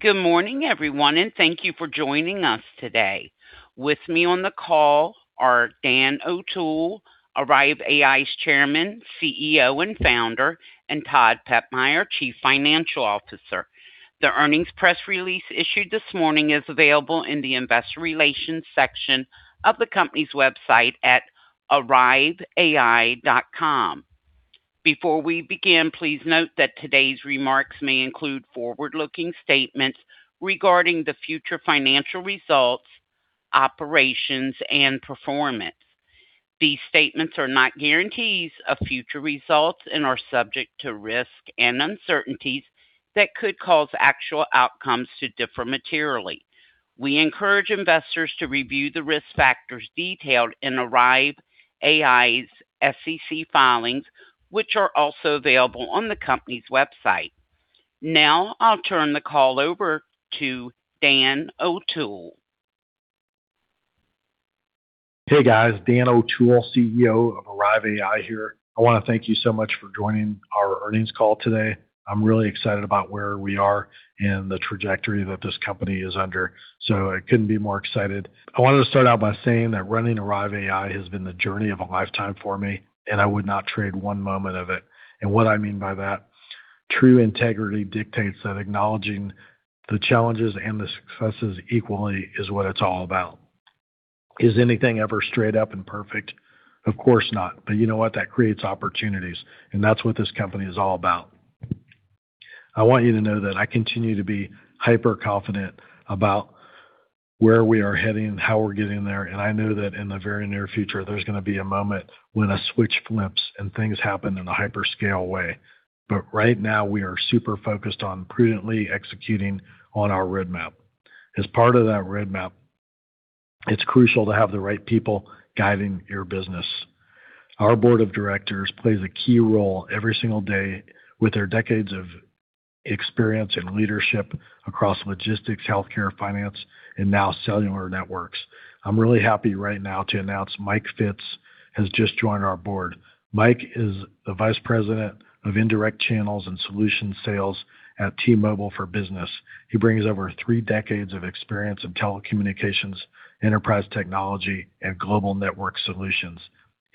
Good morning everyone, and thank you for joining us today. With me on the call are Dan O'Toole, Arrive AI's Chairman, CEO, and Founder, and Todd Pepmeier, Chief Financial Officer. The earnings press release issued this morning is available in the Investor Relations section of the company's website at arriveai.com. Before we begin, please note that today's remarks may include forward-looking statements regarding the future financial results, operations, and performance. These statements are not guarantees of future results and are subject to risk and uncertainties that could cause actual outcomes to differ materially. We encourage investors to review the risk factors detailed in Arrive AI's SEC filings, which are also available on the company's website. Now, I'll turn the call over to Dan O'Toole. Hey guys, Dan O'Toole, CEO of Arrive AI here. I want to thank you so much for joining our earnings call today. I'm really excited about where we are and the trajectory that this company is under, so I couldn't be more excited. I wanted to start out by saying that running Arrive AI has been the journey of a lifetime for me, and I would not trade one moment of it. What I mean by that, true integrity dictates that acknowledging the challenges and the successes equally is what it's all about. Is anything ever straight up and perfect? Of course not. You know what? That creates opportunities, and that's what this company is all about. I want you to know that I continue to be hyper-confident about where we are heading, how we're getting there, and I know that in the very near future, there's gonna be a moment when a switch flips and things happen in a hyperscale way. Right now, we are super focused on prudently executing on our roadmap. As part of that roadmap, it's crucial to have the right people guiding your business. Our Board of Directors plays a key role every single day with their decades of experience and leadership across logistics, healthcare, finance, and now cellular networks. I'm really happy right now to announce Mike Fitz has just joined our board. Mike is the Vice President of Indirect Channels and Solution Sales at T-Mobile for Business. He brings over three decades of experience in telecommunications, enterprise technology, and global network solutions.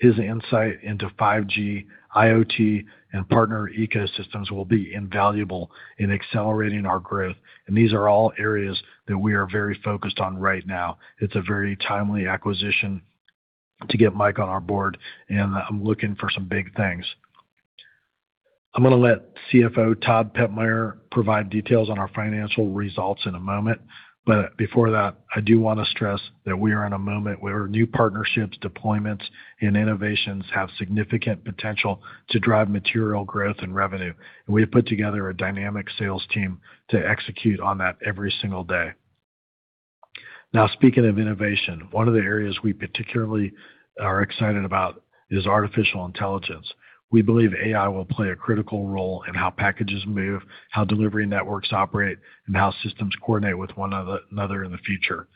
His insight into 5G, IoT, and partner ecosystems will be invaluable in accelerating our growth. These are all areas that we are very focused on right now. It's a very timely acquisition to get Mike on our board, and I'm looking for some big things. I'm gonna let CFO Todd Pepmeier provide details on our financial results in a moment. Before that, I do want to stress that we are in a moment where new partnerships, deployments, and innovations have significant potential to drive material growth and revenue. We have put together a dynamic sales team to execute on that every single day. Now, speaking of innovation, one of the areas we particularly are excited about is artificial intelligence. We believe AI will play a critical role in how packages move, how delivery networks operate, and how systems coordinate with one another in the future.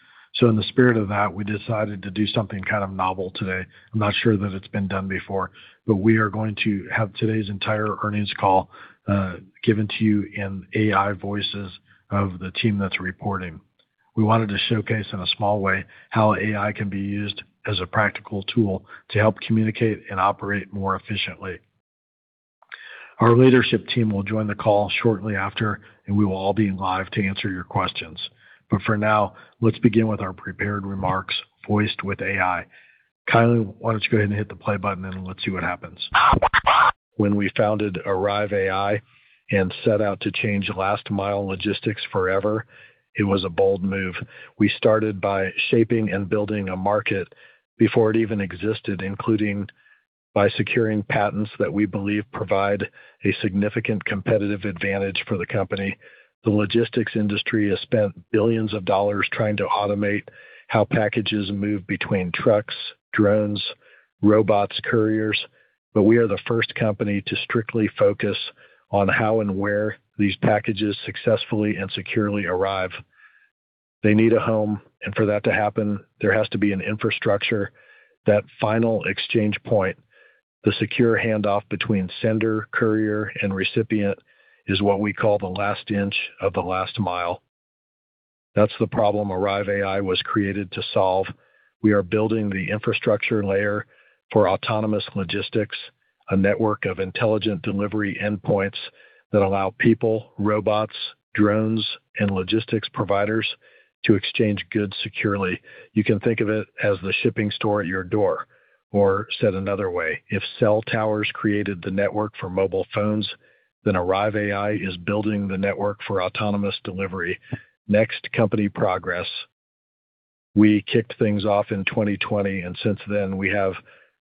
In the spirit of that, we decided to do something kind of novel today. I'm not sure that it's been done before, but we are going to have today's entire earnings call given to you in AI voices of the team that's reporting. We wanted to showcase in a small way how AI can be used as a practical tool to help communicate and operate more efficiently. Our leadership team will join the call shortly after, and we will all be live to answer your questions. For now, let's begin with our prepared remarks voiced with AI. Kylie, why don't you go ahead and hit the play button, and let's see what happens. When we founded Arrive AI and set out to change last-mile logistics forever, it was a bold move. We started by shaping and building a market before it even existed, including by securing patents that we believe provide a significant competitive advantage for the company. The logistics industry has spent billions of dollars trying to automate how packages move between trucks, drones, robots, couriers, but we are the first company to strictly focus on how and where these packages successfully and securely arrive. They need a home, and for that to happen, there has to be an infrastructure. That final exchange point, the secure handoff between sender, courier, and recipient is what we call the last inch of the last mile. That's the problem Arrive AI was created to solve. We are building the infrastructure layer for autonomous logistics, a network of intelligent delivery endpoints that allow people, robots, drones, and logistics providers to exchange goods securely. You can think of it as the shipping store at your door. Said another way, if cell towers created the network for mobile phones, then Arrive AI is building the network for autonomous delivery. Next, company progress. We kicked things off in 2020, and since then, we have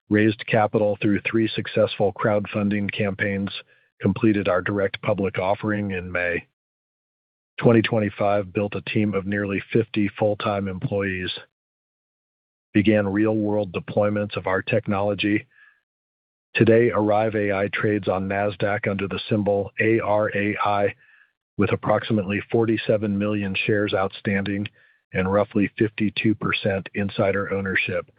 raised capital through three successful crowdfunding campaigns, completed our direct public offering in May. 2025, built a team of nearly 50 full-time employees, began real-world deployments of our technology. Today, Arrive AI trades on Nasdaq under the symbol ARAI with approximately 47 million shares outstanding and roughly 52% insider ownership.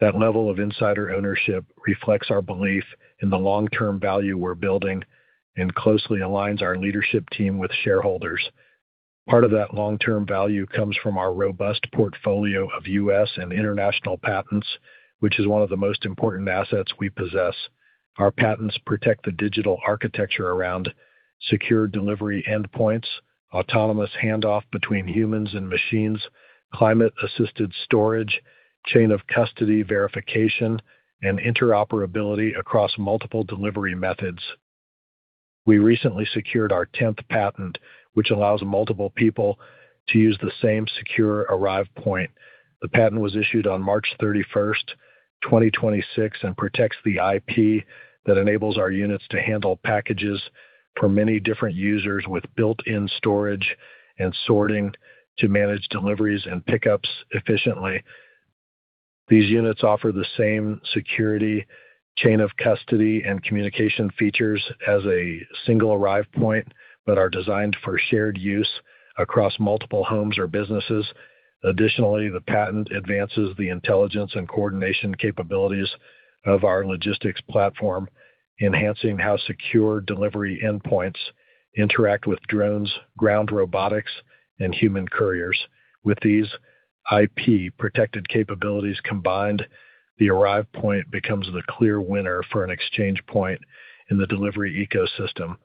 That level of insider ownership reflects our belief in the long-term value we're building and closely aligns our leadership team with shareholders. Part of that long-term value comes from our robust portfolio of U.S. and international patents, which is one of the most important assets we possess. Our patents protect the digital architecture around secure delivery endpoints, autonomous handoff between humans and machines, climate-assisted storage, chain of custody verification, and interoperability across multiple delivery methods. We recently secured our 10th patent, which allows multiple people to use the same secure Arrive Point. The patent was issued on March 31st, 2026, and protects the IP that enables our units to handle packages for many different users with built-in storage and sorting to manage deliveries and pickups efficiently. These units offer the same security, chain of custody, and communication features as a single Arrive Point but are designed for shared use across multiple homes or businesses. Additionally, the patent advances the intelligence and coordination capabilities of our logistics platform, enhancing how secure delivery endpoints interact with drones, ground robotics, and human couriers. With these IP-protected capabilities combined, the Arrive Point becomes the clear winner for an exchange point in the delivery ecosystem.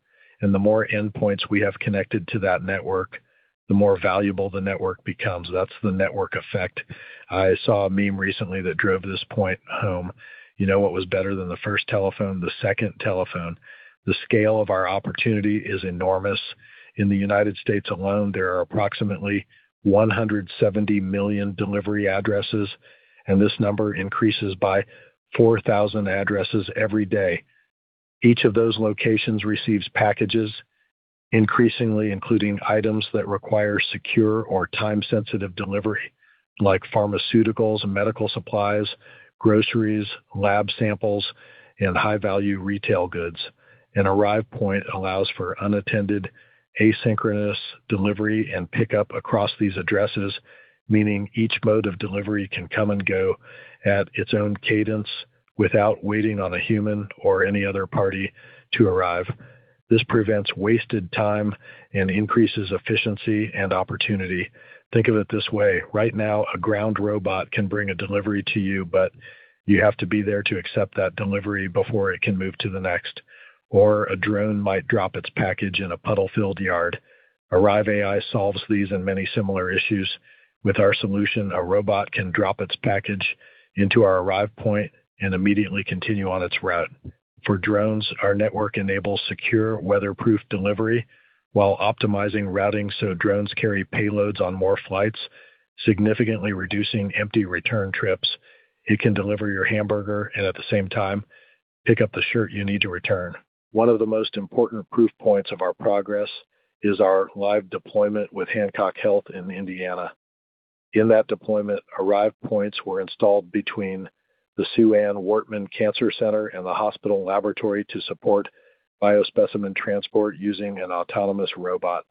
The more endpoints we have connected to that network, the more valuable the network becomes. That's the network effect. I saw a meme recently that drove this point home. You know what was better than the first telephone? The second telephone. The scale of our opportunity is enormous. In the United States alone, there are approximately 170 million delivery addresses, and this number increases by 4,000 addresses every day. Each of those locations receives packages, increasingly including items that require secure or time-sensitive delivery, like pharmaceuticals and medical supplies, groceries, lab samples, and high-value retail goods. An Arrive Point allows for unattended asynchronous delivery and pickup across these addresses, meaning each mode of delivery can come and go at its own cadence without waiting on a human or any other party to arrive. This prevents wasted time and increases efficiency and opportunity. Think of it this way. Right now, a ground robot can bring a delivery to you, but you have to be there to accept that delivery before it can move to the next. A drone might drop its package in a puddle-filled yard. Arrive AI solves these and many similar issues. With our solution, a robot can drop its package into our Arrive Point and immediately continue on its route. For drones, our network enables secure, weatherproof delivery while optimizing routing so drones carry payloads on more flights, significantly reducing empty return trips. It can deliver your hamburger and at the same time pick up the shirt you need to return. One of the most important proof points of our progress is our live deployment with Hancock Health in Indiana. In that deployment, Arrive Points were installed between the Sue Ann Wortman Cancer Center and the hospital laboratory to support biospecimen transport using an autonomous robot.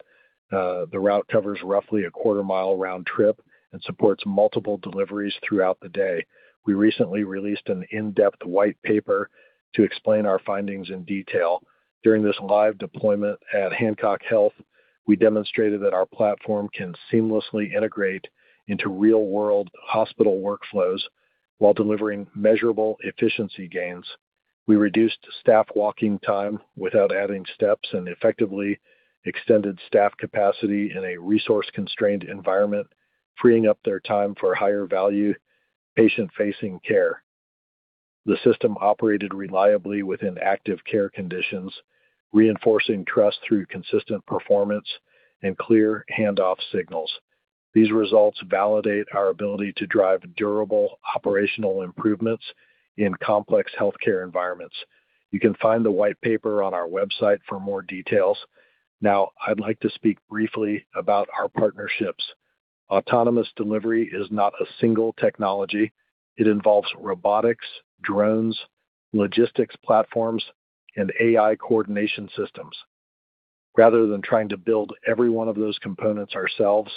The route covers roughly a quarter-mile round trip and supports multiple deliveries throughout the day. We recently released an in-depth white paper to explain our findings in detail. During this live deployment at Hancock Health, we demonstrated that our platform can seamlessly integrate into real-world hospital workflows while delivering measurable efficiency gains. We reduced staff walking time without adding steps and effectively extended staff capacity in a resource-constrained environment, freeing up their time for higher-value patient-facing care. The system operated reliably within active care conditions, reinforcing trust through consistent performance and clear handoff signals. These results validate our ability to drive durable operational improvements in complex healthcare environments. You can find the white paper on our website for more details. Now, I'd like to speak briefly about our partnerships. Autonomous delivery is not a single technology. It involves robotics, drones, logistics platforms, and AI coordination systems. Rather than trying to build every one of those components ourselves,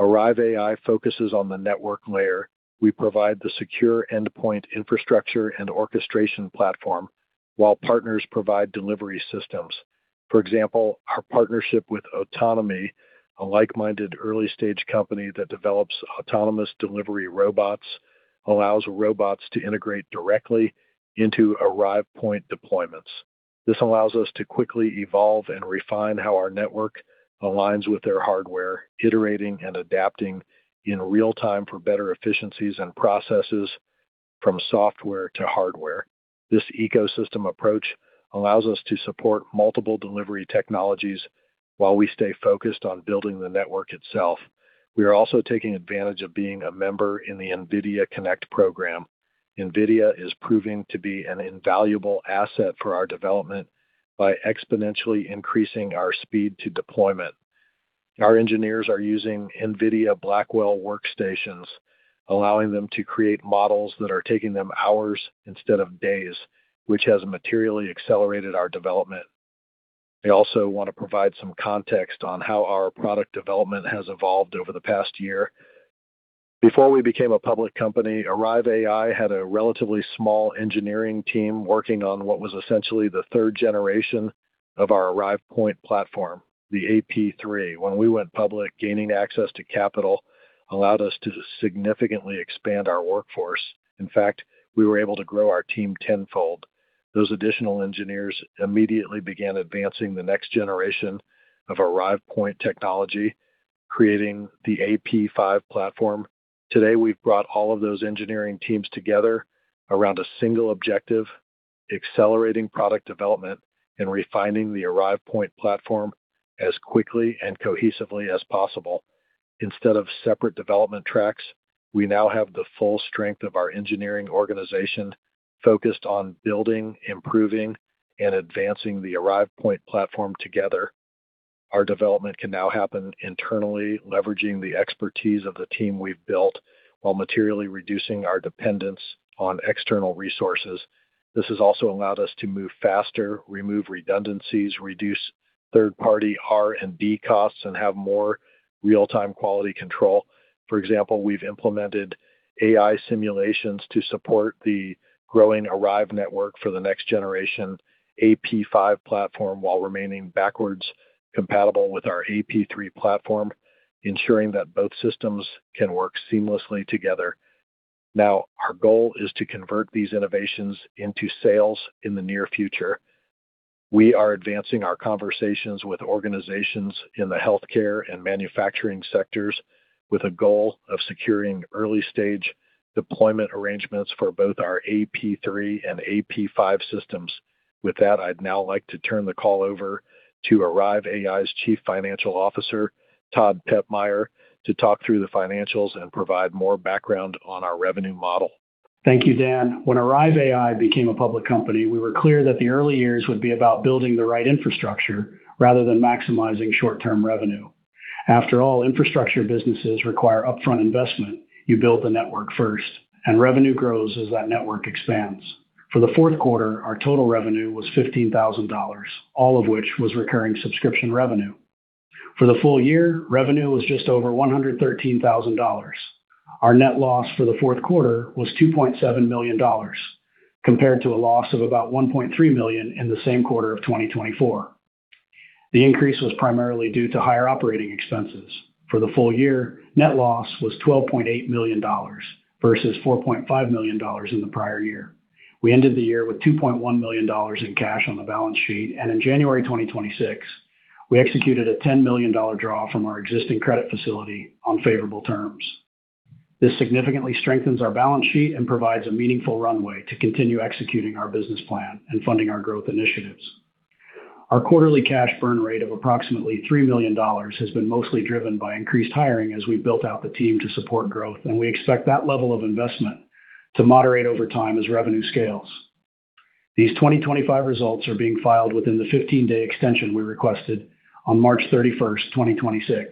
Arrive AI focuses on the network layer. We provide the secure endpoint infrastructure and orchestration platform while partners provide delivery systems. For example, our partnership with Ottonomy, a like-minded early-stage company that develops autonomous delivery robots, allows robots to integrate directly into Arrive Point deployments. This allows us to quickly evolve and refine how our network aligns with their hardware, iterating and adapting in real time for better efficiencies and processes from software to hardware. This ecosystem approach allows us to support multiple delivery technologies while we stay focused on building the network itself. We are also taking advantage of being a member in the NVIDIA Connect program. NVIDIA is proving to be an invaluable asset for our development by exponentially increasing our speed to deployment. Our engineers are using NVIDIA Blackwell workstations, allowing them to create models that are taking them hours instead of days, which has materially accelerated our development. I also want to provide some context on how our product development has evolved over the past year. Before we became a public company, Arrive AI had a relatively small engineering team working on what was essentially the third generation of our Arrive Point platform, the AP3. When we went public, gaining access to capital allowed us to significantly expand our workforce. In fact, we were able to grow our team 10-fold. Those additional engineers immediately began advancing the next generation of Arrive Point technology, creating the AP5 platform. Today, we've brought all of those engineering teams together around a single objective, accelerating product development and refining the Arrive Point platform as quickly and cohesively as possible. Instead of separate development tracks, we now have the full strength of our engineering organization focused on building, improving, and advancing the Arrive Point platform together. Our development can now happen internally, leveraging the expertise of the team we've built while materially reducing our dependence on external resources. This has also allowed us to move faster, remove redundancies, reduce third-party R&D costs, and have more real-time quality control. For example, we've implemented AI simulations to support the growing Arrive network for the next-generation AP5 platform while remaining backwards compatible with our AP3 platform, ensuring that both systems can work seamlessly together. Now, our goal is to convert these innovations into sales in the near future. We are advancing our conversations with organizations in the healthcare and manufacturing sectors with a goal of securing early-stage deployment arrangements for both our AP3 and AP5 systems. With that, I'd now like to turn the call over to Arrive AI's Chief Financial Officer, Todd Pepmeier, to talk through the financials and provide more background on our revenue model. Thank you, Dan. When Arrive AI became a public company, we were clear that the early years would be about building the right infrastructure rather than maximizing short-term revenue. After all, infrastructure businesses require upfront investment. You build the network first, and revenue grows as that network expands. For the fourth quarter, our total revenue was $15,000, all of which was recurring subscription revenue. For the full year, revenue was just over $113,000. Our net loss for the fourth quarter was $2.7 million, compared to a loss of about $1.3 million in the same quarter of 2024. The increase was primarily due to higher operating expenses. For the full year, net loss was $12.8 million versus $4.5 million in the prior year. We ended the year with $2.1 million in cash on the balance sheet, and in January 2026, we executed a $10 million draw from our existing credit facility on favorable terms. This significantly strengthens our balance sheet and provides a meaningful runway to continue executing our business plan and funding our growth initiatives. Our quarterly cash burn rate of approximately $3 million has been mostly driven by increased hiring as we built out the team to support growth, and we expect that level of investment to moderate over time as revenue scales. These 2025 results are being filed within the 15-day extension we requested on March 31st, 2026.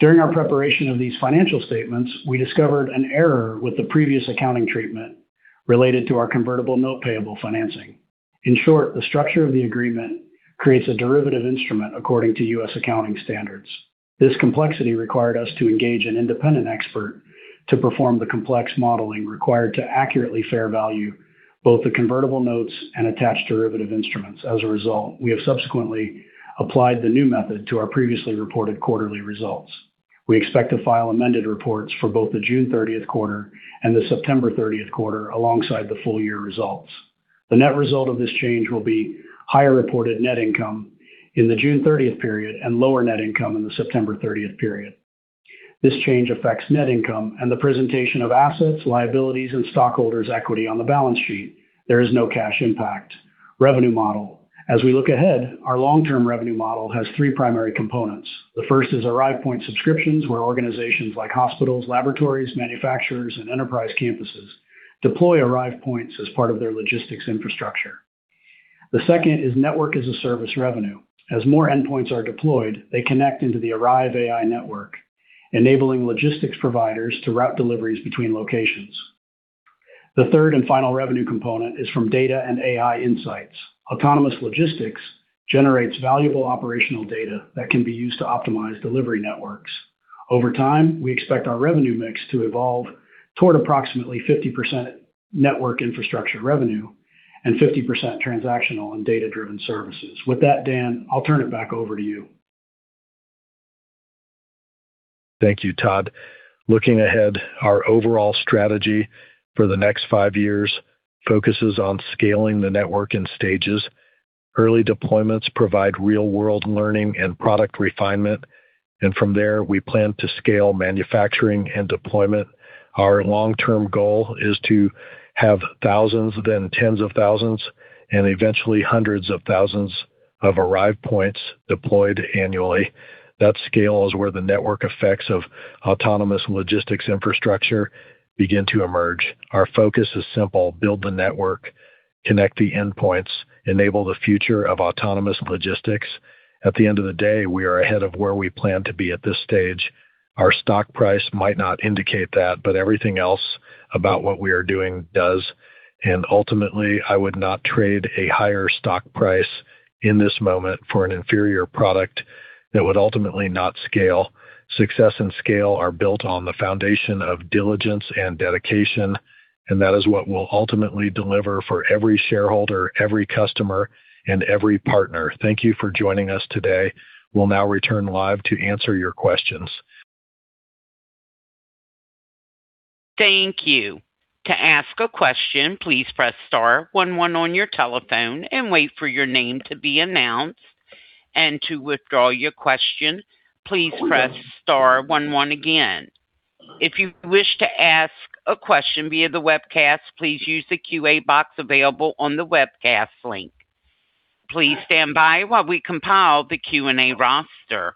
During our preparation of these financial statements, we discovered an error with the previous accounting treatment related to our convertible note payable financing. In short, the structure of the agreement creates a derivative instrument according to U.S. accounting standards. This complexity required us to engage an independent expert to perform the complex modeling required to accurately fair value both the convertible notes and attached derivative instruments. As a result, we have subsequently applied the new method to our previously reported quarterly results. We expect to file amended reports for both the June 30th quarter and the September 30th quarter alongside the full year results. The net result of this change will be higher reported net income in the June 30th period and lower net income in the September 30th period. This change affects net income and the presentation of assets, liabilities, and stockholders' equity on the balance sheet. There is no cash impact. Revenue model, as we look ahead, our long-term revenue model has three primary components. The first is Arrive Point subscriptions, where organizations like hospitals, laboratories, manufacturers, and enterprise campuses deploy Arrive Points as part of their logistics infrastructure. The second is network as a service revenue. As more endpoints are deployed, they connect into the Arrive AI network, enabling logistics providers to route deliveries between locations. The third and final revenue component is from data and AI insights. Autonomous logistics generates valuable operational data that can be used to optimize delivery networks. Over time, we expect our revenue mix to evolve toward approximately 50% network infrastructure revenue and 50% transactional and data-driven services. With that, Dan, I'll turn it back over to you. Thank you, Todd. Looking ahead, our overall strategy for the next five years focuses on scaling the network in stages. Early deployments provide real-world learning and product refinement, and from there, we plan to scale manufacturing and deployment. Our long-term goal is to have 1,000s, then 10,000s, and eventually 100,000s of Arrive Points deployed annually. That scale is where the network effects of autonomous logistics infrastructure begin to emerge. Our focus is simple. Build the network, connect the endpoints, enable the future of autonomous logistics. At the end of the day, we are ahead of where we plan to be at this stage. Our stock price might not indicate that, but everything else about what we are doing does. Ultimately, I would not trade a higher stock price in this moment for an inferior product that would ultimately not scale. Success and scale are built on the foundation of diligence and dedication, and that is what will ultimately deliver for every shareholder, every customer, and every partner. Thank you for joining us today. We'll now return live to answer your questions. Thank you. To ask a question, please press star one one on your telephone and wait for your name to be announced. To withdraw your question, please press star one one again. If you wish to ask a question via the webcast, please use the Q&A box available on the webcast link. Please stand by while we compile the Q&A roster.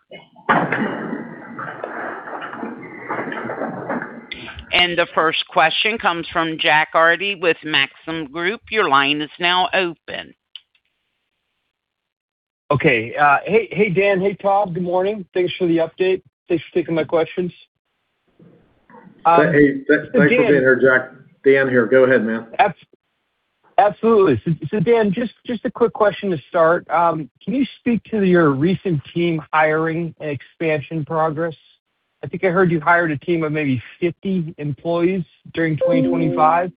The first question comes from Jack Aarde with Maxim Group. Your line is now open. Okay. Hey, Dan. Hey, Todd. Good morning. Thanks for the update. Thanks for taking my questions. Hey, thanks for being here, Jack. Dan here. Go ahead, man. Absolutely. Dan, just a quick question to start. Can you speak to your recent team hiring and expansion progress? I think I heard you hired a team of maybe 50 employees during 2025.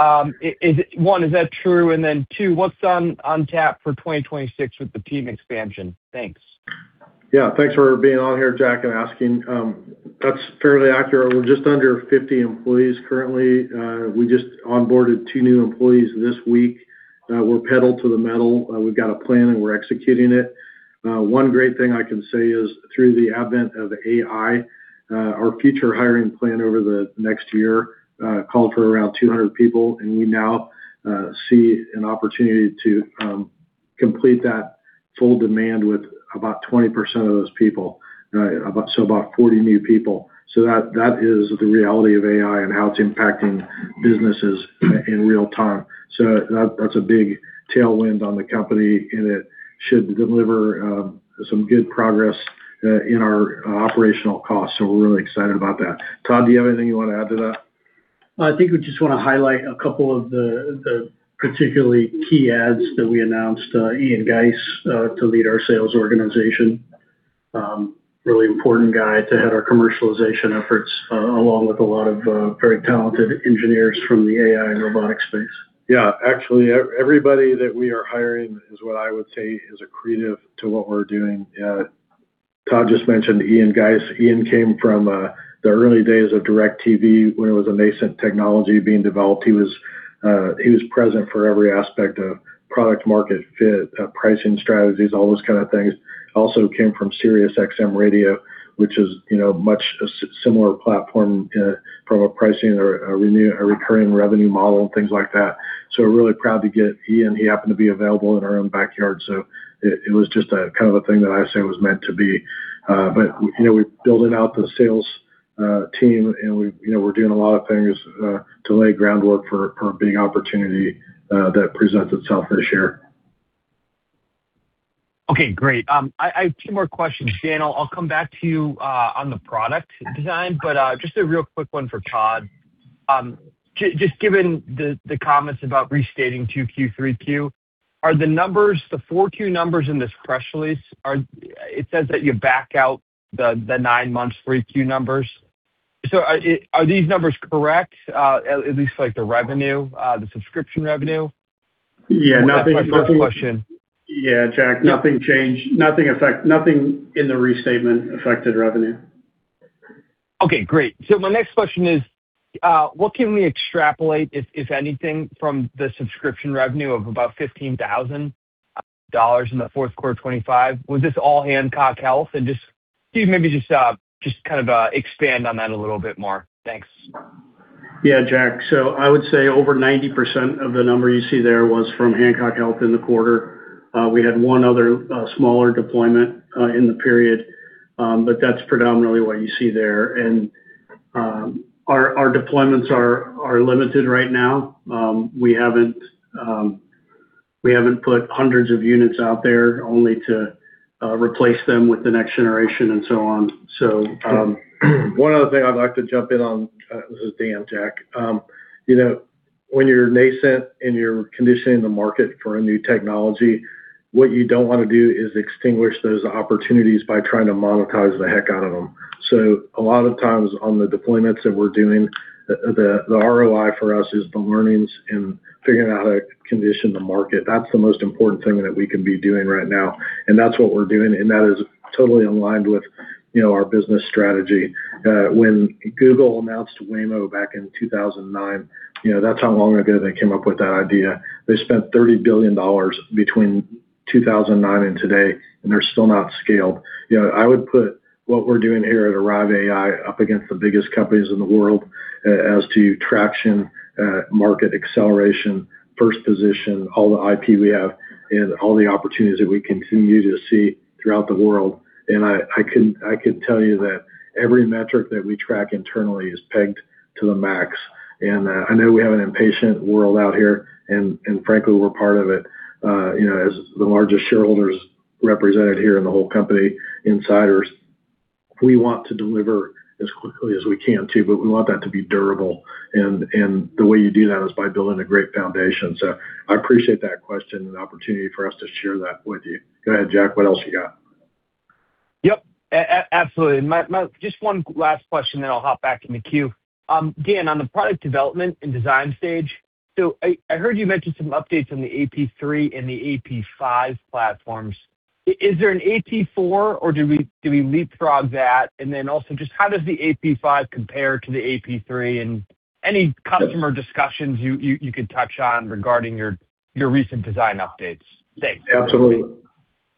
One, is that true? Two, what's on tap for 2026 with the team expansion? Thanks. Yeah. Thanks for being on here, Jack, and asking. That's fairly accurate. We're just under 50 employees currently. We just onboarded two new employees this week. We're pedal to the metal. We've got a plan, and we're executing it. One great thing I can say is through the advent of AI, our future hiring plan over the next year called for around 200 people, and we now see an opportunity to complete that full demand with about 20% of those people, so about 40 new people. That is the reality of AI and how it's impacting businesses in real time. That's a big tailwind on the company, and it should deliver some good progress in our operational costs. We're really excited about that. Todd, do you have anything you want to add to that? I think we just want to highlight a couple of the particularly key adds that we announced, Ian Geise to lead our sales organization, really important guy to head our commercialization efforts along with a lot of very talented engineers from the AI and robotics space. Yeah, actually, everybody that we are hiring is what I would say is accretive to what we're doing. Todd just mentioned Ian Geise. Ian came from the early days of DIRECTV when it was a nascent technology being developed. He was present for every aspect of product market fit, pricing strategies, all those kind of things. Also came from SiriusXM Radio, which is much a similar platform from a pricing or a recurring revenue model and things like that. We're really proud to get Ian. He happened to be available in our own backyard, so it was just a kind of a thing that I say was meant to be. We're building out the sales team, and we're doing a lot of things to lay groundwork for a big opportunity that presents itself this year. Okay, great. I have two more questions. Dan, I'll come back to you on the product design, but just a real quick one for Todd. Just given the comments about restating 2Q, 3Q, are the numbers, the 4Q numbers in this press release? It says that you back out the nine months 3Q numbers. Are these numbers correct, at least like the revenue, the subscription revenue? Yeah. Nothing. That's my first question. Yeah, Jack, nothing changed. Nothing in the restatement affected revenue. Okay, great. My next question is, what can we extrapolate, if anything, from the subscription revenue of about $15,000 in the fourth quarter of 2025? Was this all Hancock Health? Just can you maybe just kind of expand on that a little bit more? Thanks. Yeah, Jack. I would say over 90% of the number you see there was from Hancock Health in the quarter. We had one other smaller deployment in the period, but that's predominantly what you see there. Our deployments are limited right now. We haven't put hundreds of units out there only to replace them with the next generation and so on. One other thing I'd like to jump in on, this is Dan, Jack. When you're nascent and you're conditioning the market for a new technology, what you don't want to do is extinguish those opportunities by trying to monetize the heck out of them. A lot of times on the deployments that we're doing, the ROI for us is the learnings and figuring out how to condition the market. That's the most important thing that we can be doing right now, and that's what we're doing, and that is totally aligned with our business strategy. When Google announced Waymo back in 2009, that's how long ago they came up with that idea. They spent $30 billion between 2009 and today, and they're still not scaled. I would put what we're doing here at Arrive AI up against the biggest companies in the world as to traction, market acceleration, first position, all the IP we have, and all the opportunities that we continue to see throughout the world. I could tell you that every metric that we track internally is pegged to the max. I know we have an impatient world out here, and frankly, we're part of it, as the largest shareholders represented here in the whole company, insiders. We want to deliver as quickly as we can too, but we want that to be durable, and the way you do that is by building a great foundation. I appreciate that question and the opportunity for us to share that with you. Go ahead, Jack, what else you got? Yep. Absolutely. Just one last question, then I'll hop back in the queue. Dan, on the product development and design stage, I heard you mention some updates on the AP3 and the AP5 platforms. Is there an AP4 or do we leapfrog that? Also just how does the AP5 compare to the AP3 and any customer discussions you could touch on regarding your recent design updates? Thanks. Absolutely.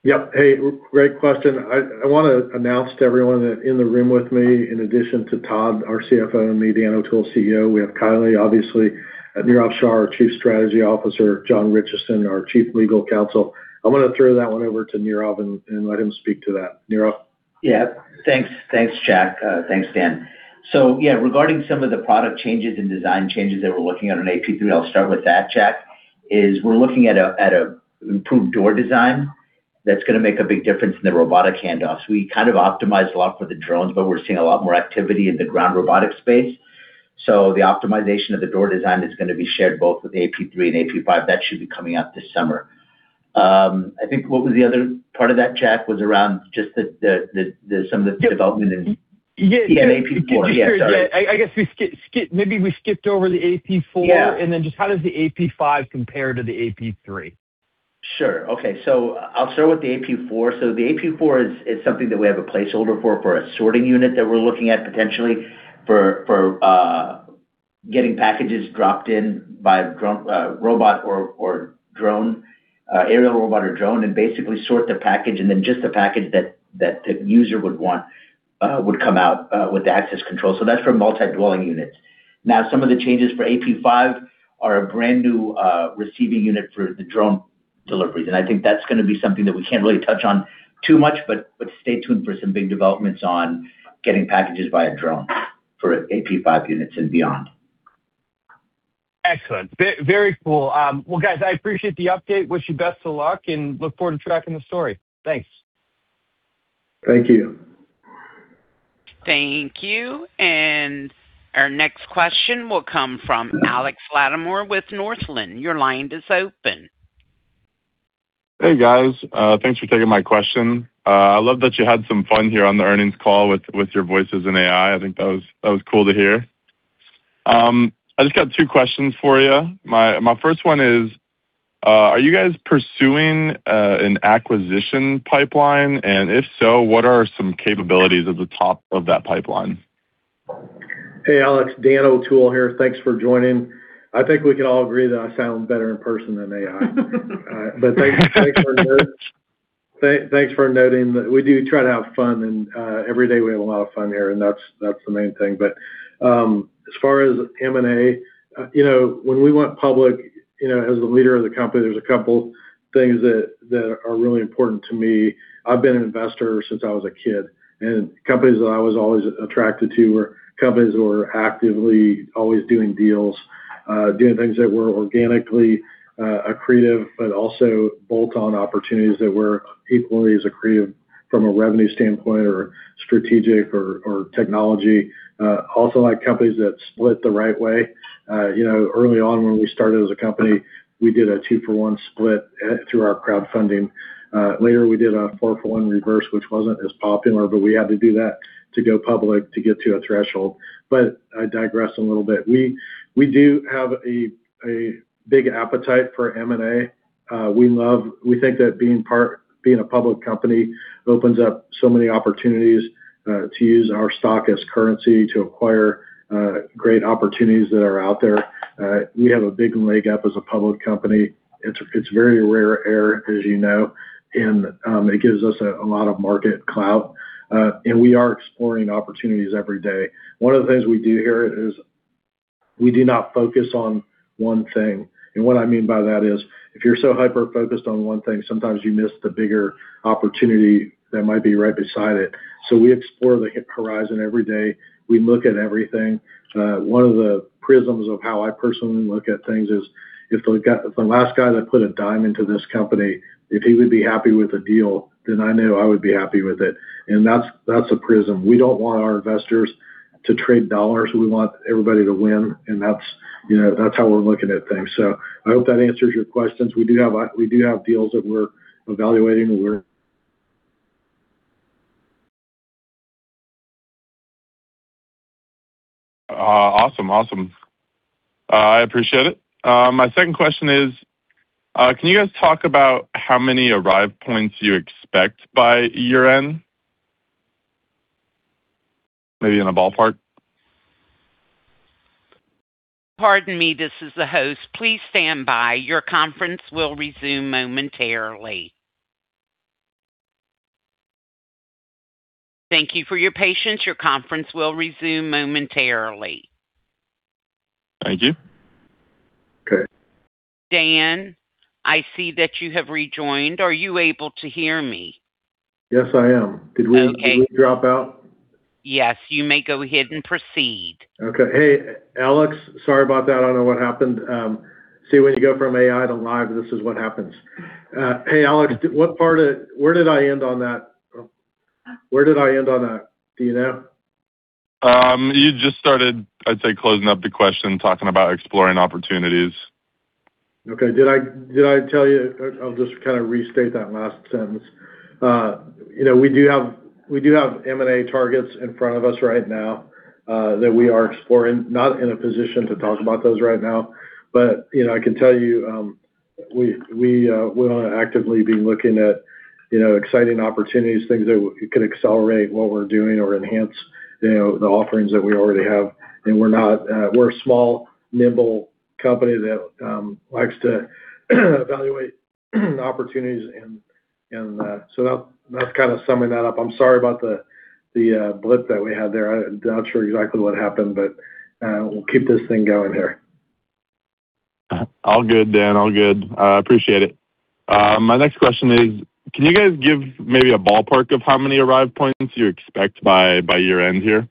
Yep. Hey, great question. I want to announce to everyone in the room with me, in addition to Todd, our CFO, and me, Dan O'Toole, CEO, we have Kylie, obviously, Neerav Shah, our Chief Strategy Officer, John Ritchison, our Chief Legal Counsel. I want to throw that one over to Neerav and let him speak to that. Neerav? Yeah. Thanks, Jack. Thanks, Dan. Yeah, regarding some of the product changes and design changes that we're looking at on AP3, I'll start with that, Jack, is we're looking at an improved door design that's going to make a big difference in the robotic handoffs. We kind of optimized a lot for the drones, but we're seeing a lot more activity in the ground robotic space. The optimization of the door design is going to be shared both with AP3 and AP5. That should be coming out this summer. I think what was the other part of that, Jack, was around just some of the development. Yeah. AP4. Yeah, sorry. I guess maybe we skipped over the AP4. Yeah. Just how does the AP5 compare to the AP3? Sure. Okay. I'll start with the AP4. The AP4 is something that we have a placeholder for a sorting unit that we're looking at potentially for getting packages dropped in by aerial robot or drone and basically sort the package, and then just the package that the user would want would come out with the access control. That's for multi-dwelling units. Now, some of the changes for AP5 are a brand new receiving unit for the drone deliveries. I think that's going to be something that we can't really touch on too much, but stay tuned for some big developments on getting packages via drone for AP5 units and beyond. Excellent. Very cool. Well, guys, I appreciate the update. Wish you best of luck and look forward to tracking the story. Thanks. Thank you. Thank you. Our next question will come from Alex Latimore with Northland Securities. Your line is open. Hey, guys. Thanks for taking my question. I love that you had some fun here on the earnings call with your voices and AI. I think that was cool to hear. I just got two questions for you. My first one is, are you guys pursuing an acquisition pipeline? If so, what are some capabilities at the top of that pipeline? Hey, Alex, Dan O'Toole here. Thanks for joining. I think we can all agree that I sound better in person than AI. Thanks for noting that we do try to have fun, and every day we have a lot of fun here, and that's the main thing. As far as M&A, when we went public, as the leader of the company, there's a couple things that are really important to me. I've been an investor since I was a kid, and companies that I was always attracted to were companies that were actively always doing deals, doing things that were organically accretive, but also bolt-on opportunities that were equally as accretive from a revenue standpoint or strategic or technology. I also like companies that split the right way. Early on when we started as a company, we did a two-for-one split through our crowdfunding. Later, we did a four-for-one reverse, which wasn't as popular, but we had to do that to go public to get to a threshold. But I digress a little bit. We do have a big appetite for M&A. We think that being a public company opens up so many opportunities to use our stock as currency to acquire great opportunities that are out there. We have a big leg up as a public company. It's very rare air, as you know, and it gives us a lot of market clout. And we are exploring opportunities every day. One of the things we do here is we do not focus on one thing. And what I mean by that is if you're so hyper-focused on one thing, sometimes you miss the bigger opportunity that might be right beside it. So we explore the horizon every day. We look at everything. One of the prisms of how I personally look at things is if the last guy that put a dime into this company, if he would be happy with the deal, then I know I would be happy with it. That's a prism. We don't want our investors to trade dollars. We want everybody to win, and that's how we're looking at things. I hope that answers your questions. We do have deals that we're evaluating. Awesome. I appreciate it. My second question is, can you guys talk about how many Arrive Points you expect by year-end, maybe in a ballpark? Pardon me, this is the host. Please stand by. Your conference will resume momentarily. Thank you for your patience. Your conference will resume momentarily. Thank you. Okay. Dan, I see that you have rejoined. Are you able to hear me? Yes, I am. Okay. Did we drop out? Yes, you may go ahead and proceed. Okay. Hey, Alex, sorry about that. I don't know what happened. See, when you go from AI to live, this is what happens. Hey, Alex, where did I end on that? Do you know? You just started, I'd say, closing up the question, talking about exploring opportunities. Okay. I'll just restate that last sentence. We do have M&A targets in front of us right now that we are exploring, not in a position to talk about those right now. I can tell you, we're going to actively be looking at exciting opportunities, things that could accelerate what we're doing or enhance the offerings that we already have. We're a small, nimble company that likes to evaluate opportunities. That's kind of summing that up. I'm sorry about the blip that we had there. I'm not sure exactly what happened, but we'll keep this thing going here. All good, Dan, all good. I appreciate it. My next question is, can you guys give maybe a ballpark of how many Arrive Points you expect by year-end here?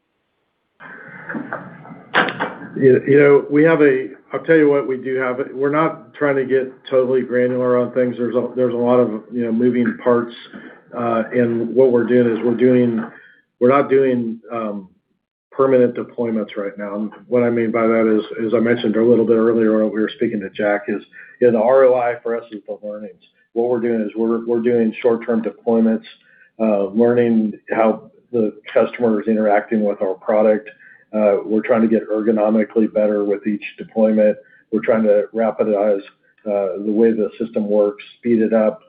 I'll tell you what we do have. We're not trying to get totally granular on things. There's a lot of moving parts, and what we're doing is we're not doing permanent deployments right now. What I mean by that is, as I mentioned a little bit earlier on when we were speaking to Jack, is the ROI for us is the learnings. What we're doing is we're doing short-term deployments, learning how the customer is interacting with our product. We're trying to get ergonomically better with each deployment. We're trying to rapidize the way the system works, speed it up,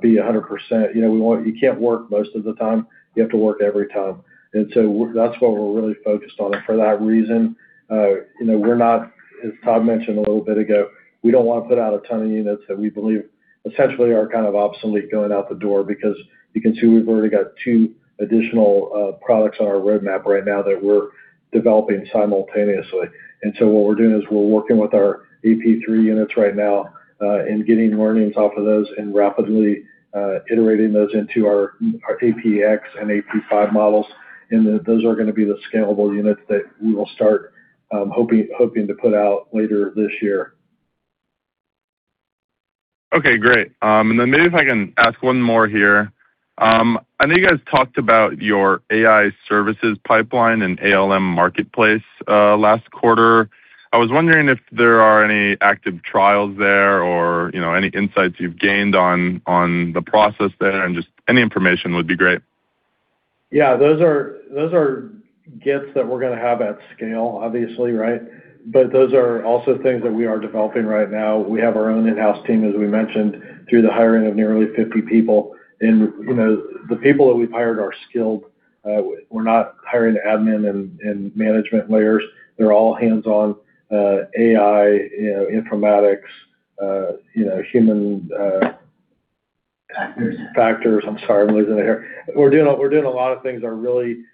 be 100%. You can't work most of the time. You have to work every time. That's what we're really focused on. For that reason, as Todd mentioned a little bit ago, we don't want to put out a ton of units that we believe essentially are kind of obsolete going out the door because you can see we've already got two additional products on our roadmap right now that we're developing simultaneously. What we're doing is we're working with our AP3 units right now and getting learnings off of those and rapidly iterating those into our AP4 and AP5 models. Those are going to be the scalable units that we will start hoping to put out later this year. Okay, great. Maybe if I can ask one more here. I know you guys talked about your AI services pipeline and ALM marketplace last quarter. I was wondering if there are any active trials there or any insights you've gained on the process there and just any information would be great. Yeah, those are gifts that we're going to have at scale, obviously, right? Those are also things that we are developing right now. We have our own in-house team, as we mentioned, through the hiring of nearly 50 people. The people that we've hired are skilled. We're not hiring admin and management layers. They're all hands-on AI informatics, human- Factors. - factors. I'm sorry, I'm losing it here. We're doing a lot of things that are really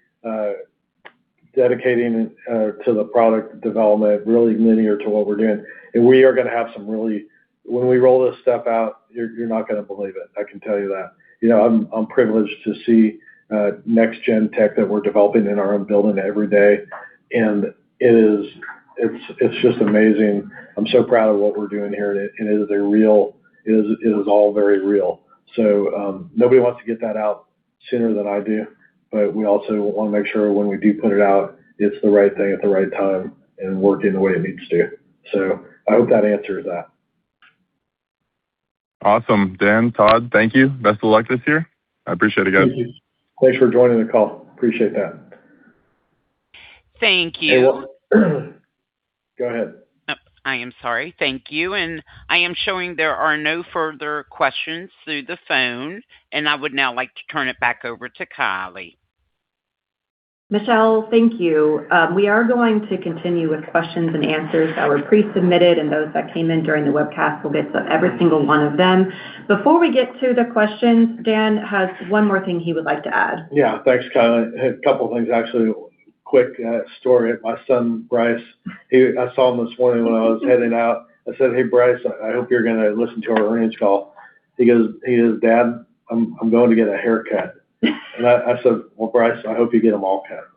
dedicated to the product development, really linear to what we're doing. When we roll this stuff out, you're not going to believe it, I can tell you that. I'm privileged to see next-gen tech that we're developing in our own building every day, and it's just amazing. I'm so proud of what we're doing here, and it is all very real. Nobody wants to get that out sooner than I do. We also want to make sure when we do put it out, it's the right thing at the right time and working the way it needs to. I hope that answers that. Awesome. Dan, Todd, thank you. Best of luck this year. I appreciate it, guys. Thank you. Thanks for joining the call. Appreciate that. Thank you. Go ahead. I am sorry. Thank you. I am showing there are no further questions through the phone, and I would now like to turn it back over to Kylie. Michelle, thank you. We are going to continue with questions and answers that were pre-submitted and those that came in during the webcast. We'll get to every single one of them. Before we get to the questions, Dan has one more thing he would like to add. Yeah, thanks, Kylie. A couple of things, actually. Quick story. My son, Bryce, I saw him this morning when I was heading out. I said, "Hey, Bryce, I hope you're going to listen to our earnings call." He goes, "Dad, I'm going to get a haircut." I said, "Well, Bryce, I hope you get them all cut."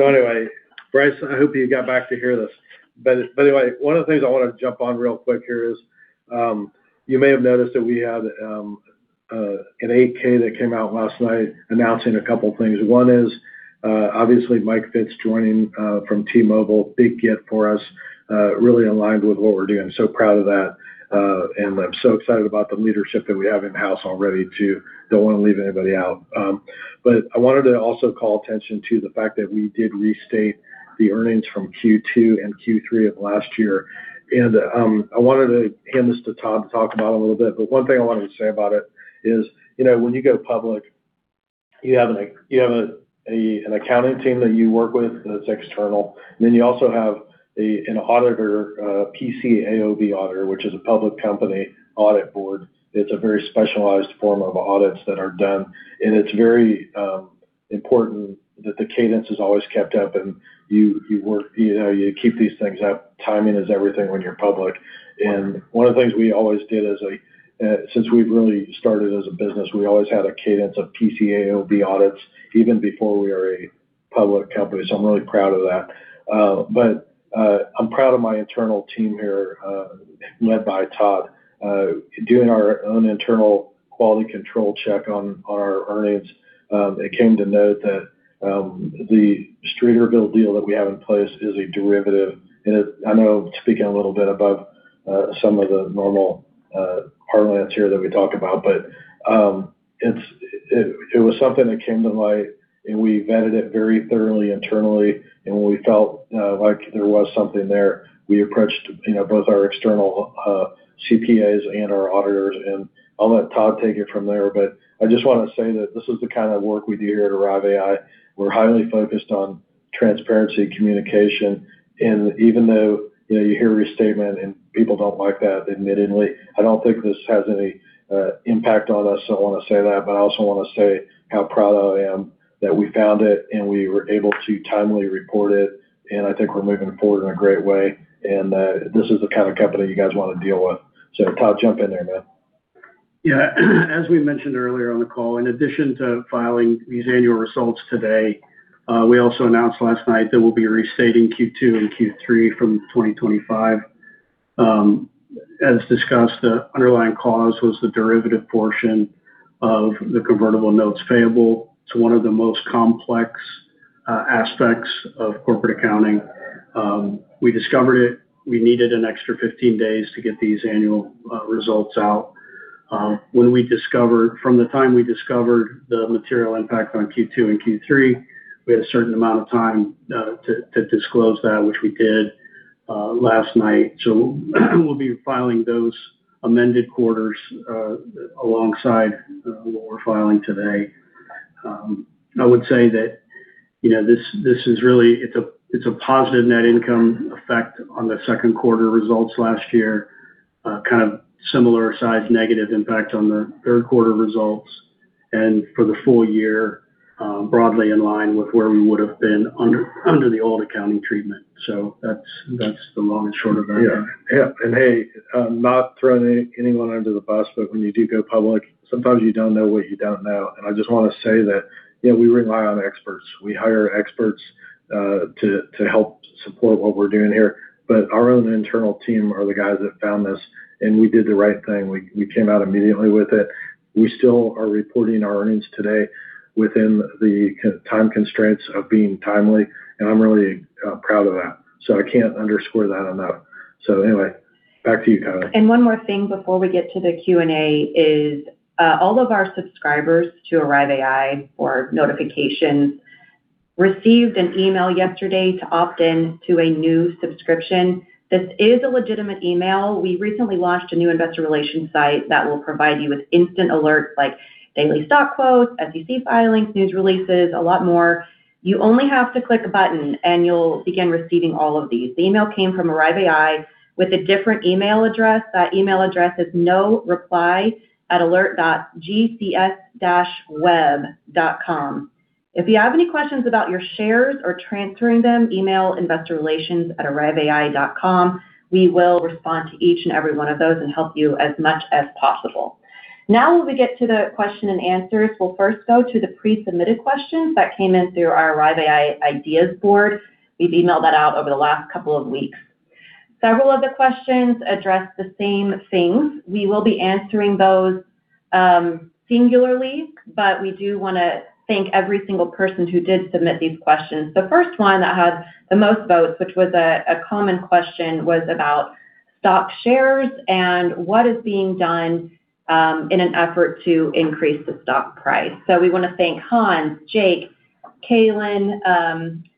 Anyway, Bryce, I hope you got back to hear this. Anyway, one of the things I want to jump on real quick here is, you may have noticed that we had an 8-K that came out last night announcing a couple of things. One is, obviously Mike Fitz joining from T-Mobile, big get for us, really aligned with what we're doing. Proud of that. I'm so excited about the leadership that we have in-house already, too. Don't want to leave anybody out. I wanted to also call attention to the fact that we did restate the earnings from Q2 and Q3 of last year. I wanted to hand this to Todd to talk about a little bit. One thing I wanted to say about it is, when you go public, you have an accounting team that you work with that's external, and then you also have an auditor, a PCAOB auditor, which is a public company audit board. It's a very specialized form of audits that are done. It's very important that the cadence is always kept up and you keep these things up. Timing is everything when you're public. One of the things we always did is, since we've really started as a business, we always had a cadence of PCAOB audits, even before we were public companies. I'm really proud of that. I'm proud of my internal team here, led by Todd. During our own internal quality control check on our earnings, it came to note that the Streeterville deal that we have in place is a derivative. I know speaking a little bit above some of the normal parlance here that we talk about, but it was something that came to light, and we vetted it very thoroughly internally. When we felt like there was something there, we approached both our external CPAs and our auditors, and I'll let Todd take it from there. I just want to say that this is the kind of work we do here at Arrive AI. We're highly focused on transparency, communication, and even though you hear restatement, and people don't like that, admittedly, I don't think this has any impact on us. I want to say that, but I also want to say how proud I am that we found it, and we were able to timely report it, and I think we're moving forward in a great way and that this is the kind of company you guys want to deal with. Todd, jump in there, man. Yeah. As we mentioned earlier on the call, in addition to filing these annual results today, we also announced last night that we'll be restating Q2 and Q3 from 2025. As discussed, the underlying cause was the derivative portion of the convertible notes payable, so one of the most complex aspects of corporate accounting. We discovered it. We needed an extra 15 days to get these annual results out. From the time we discovered the material impact on Q2 and Q3, we had a certain amount of time to disclose that, which we did last night. We'll be filing those amended quarters alongside what we're filing today. I would say that it's a positive net income effect on the second quarter results last year, kind of similar size negative impact on the third quarter results, and for the full year, broadly in line with where we would've been under the old accounting treatment. That's the long and short of it. Yeah. Hey, I'm not throwing anyone under the bus, but when you do go public, sometimes you don't know what you don't know. I just want to say that we rely on experts. We hire experts to help support what we're doing here. Our own internal team are the guys that found this, and we did the right thing. We came out immediately with it. We still are reporting our earnings today within the time constraints of being timely, and I'm really proud of that. Anyway, back to you, Kylie. One more thing before we get to the Q&A is all of our subscribers to Arrive AI or notifications received an email yesterday to opt in to a new subscription. This is a legitimate email. We recently launched a new investor relations site that will provide you with instant alerts like daily stock quotes, SEC filings, news releases, a lot more. You only have to click a button and you'll begin receiving all of these. The email came from Arrive AI with a different email address. That email address is noreply@alert.gcs-web.com. If you have any questions about your shares or transferring them, email investorrelations@arriveai.com. We will respond to each and every one of those and help you as much as possible. Now we will get to the question and answers. We'll first go to the pre-submitted questions that came in through our Arrive AI ideas board. We've emailed that out over the last couple of weeks. Several of the questions address the same things. We will be answering those singularly, but we do want to thank every single person who did submit these questions. The first one that had the most votes, which was a common question, was about stock shares and what is being done in an effort to increase the stock price. We want to thank Hans, Jake, Kailyn,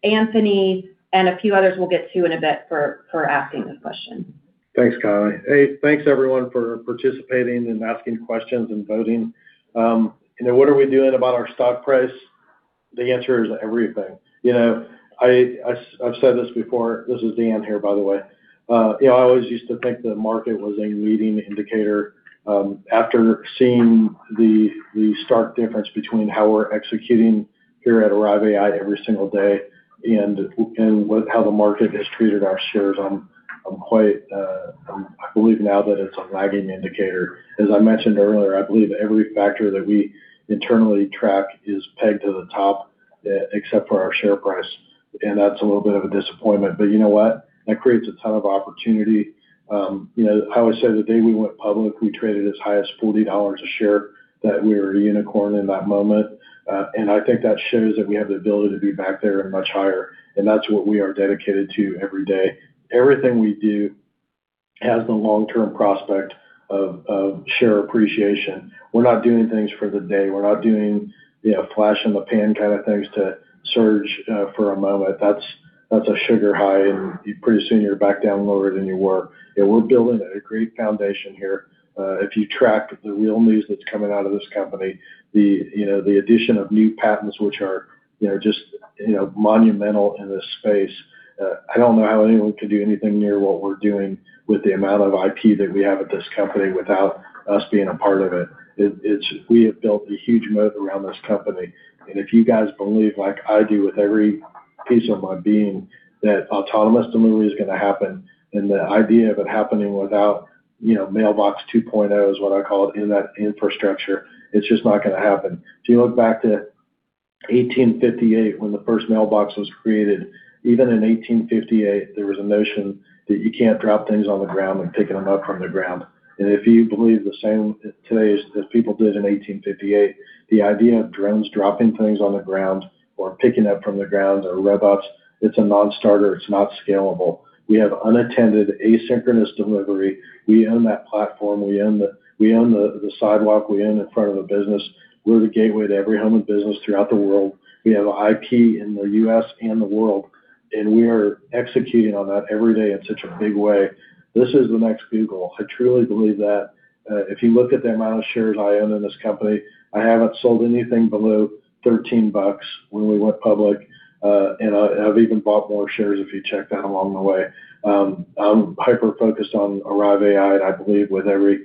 Anthony, and a few others we'll get to in a bit for asking this question. Thanks, Kylie. Hey, thanks everyone for participating and asking questions and voting. What are we doing about our stock price? The answer is everything. I've said this before. This is Dan here, by the way. I always used to think the market was a leading indicator. After seeing the stark difference between how we're executing here at Arrive AI every single day, and how the market has treated our shares, I believe now that it's a lagging indicator. As I mentioned earlier, I believe every factor that we internally track is pegged to the top, except for our share price, and that's a little bit of a disappointment. You know what? That creates a ton of opportunity. I always say the day we went public, we traded as high as $40 a share, that we were a unicorn in that moment. I think that shows that we have the ability to be back there and much higher, and that's what we are dedicated to every day. Everything we do has the long-term prospect of share appreciation. We're not doing things for the day. We're not doing flash in the pan kind of things to surge for a moment. That's a sugar high and pretty soon you're back down lower than you were. We're building a great foundation here. If you track the real news that's coming out of this company, the addition of new patents, which are just monumental in this space, I don't know how anyone could do anything near what we're doing with the amount of IP that we have at this company without us being a part of it. We have built a huge moat around this company. If you guys believe like I do with every piece of my being that autonomous delivery is going to happen, and the idea of it happening without Mailbox 2.0, is what I call it in that infrastructure, it's just not going to happen. If you look back to 1858 when the first mailbox was created, even in 1858, there was a notion that you can't drop things on the ground and picking them up from the ground. If you believe the same today as people did in 1858, the idea of drones dropping things on the ground or picking up from the ground or robots, it's a non-starter. It's not scalable. We have unattended, asynchronous delivery. We own that platform. We own the sidewalk. We own the front of the business. We're the gateway to every home and business throughout the world. We have an IP in the U.S. and the world. We are executing on that every day in such a big way. This is the next Google. I truly believe that. If you look at the amount of shares I own in this company, I haven't sold anything below $13 when we went public. I've even bought more shares if you check that along the way. I'm hyper-focused on Arrive AI. I believe with every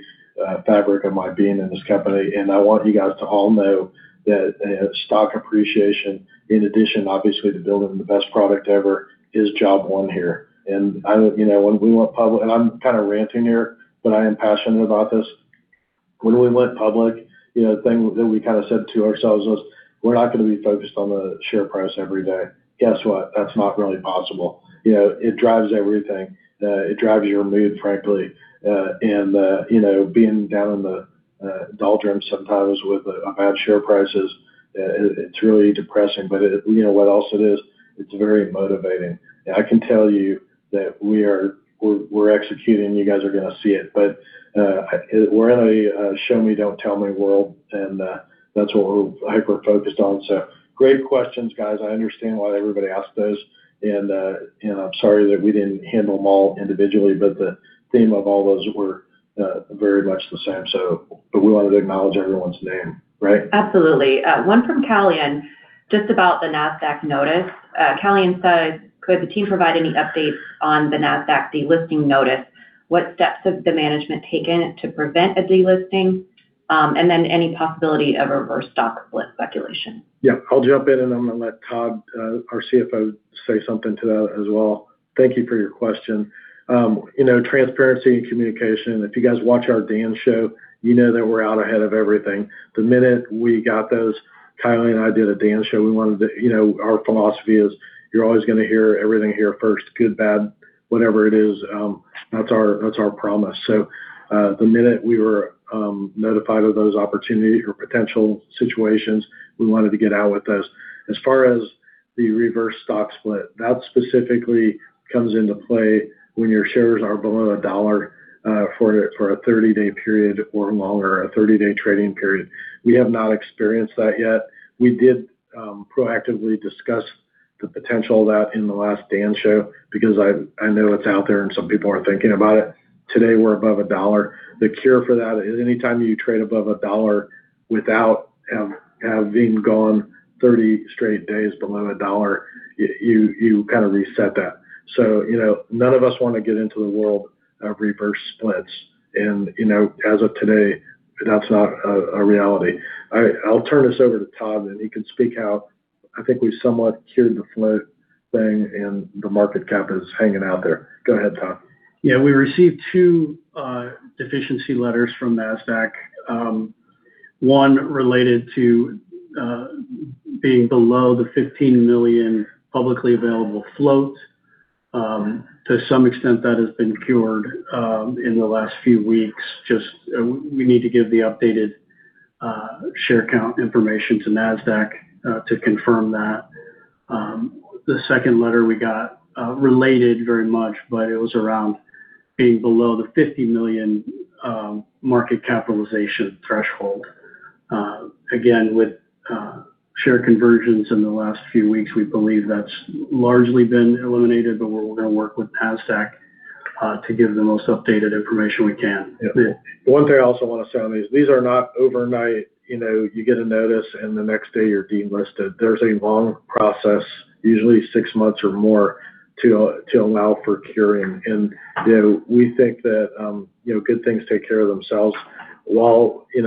fabric of my being in this company. I want you guys to all know that stock appreciation, in addition, obviously, to building the best product ever, is job one here. I'm kind of ranting here, but I am passionate about this. When we went public, the thing that we said to ourselves was, "We're not going to be focused on the share price every day." Guess what? That's not really possible. It drives everything. It drives your mood, frankly. Being down in the doldrums sometimes with bad share prices, it's really depressing, but you know what else it is? It's very motivating. I can tell you that we're executing. You guys are going to see it. We're in a show me, don't tell me world, and that's what we're hyper-focused on. Great questions, guys. I understand why everybody asks those, and I'm sorry that we didn't handle them all individually, but the theme of all those were very much the same. We wanted to acknowledge everyone's name, right? Absolutely, one from Callion, just about the Nasdaq notice. Callion said, could the team provide any updates on the Nasdaq delisting notice? What steps has the Management taken to prevent a delisting? Any possibility of a reverse stock split speculation? Yeah, I'll jump in, and I'm going to let Todd, our CFO, say something to that as well. Thank you for your question. Transparency and communication, if you guys watch our Dan Show, you know that we're out ahead of everything. The minute we got those, Kylie and I did a Dan Show. Our philosophy is you're always going to hear everything here first, good, bad, whatever it is. That's our promise. The minute we were notified of those opportunities or potential situations, we wanted to get out with those. As far as the reverse stock split, that specifically comes into play when your shares are below $1 for a 30-day period or longer, a 30-day trading period. We have not experienced that yet. We did proactively discuss the potential of that in the last Dan Show because I know it's out there, and some people are thinking about it. Today, we're above $1. The cure for that is anytime you trade above $1 without having gone 30 straight days below $1, you kind of reset that. None of us want to get into the world of reverse splits. As of today, that's not a reality. I'll turn this over to Todd, and he can speak out. I think we somewhat cured the float thing, and the market cap is hanging out there. Go ahead, Todd. Yeah, we received two deficiency letters from Nasdaq. One related to being below the 15 million publicly available float. To some extent, that has been cured in the last few weeks. Just we need to give the updated share count information to Nasdaq to confirm that. The second letter we got related very much, but it was around being below the $50 million market capitalization threshold. Again, with share conversions in the last few weeks, we believe that's largely been eliminated, but we're going to work with Nasdaq to give the most updated information we can. Yeah. The one thing I also want to say on these are not overnight. You get a notice and the next day you're delisted. There's a long process, usually six months or more, to allow for curing. We think that good things take care of themselves. While we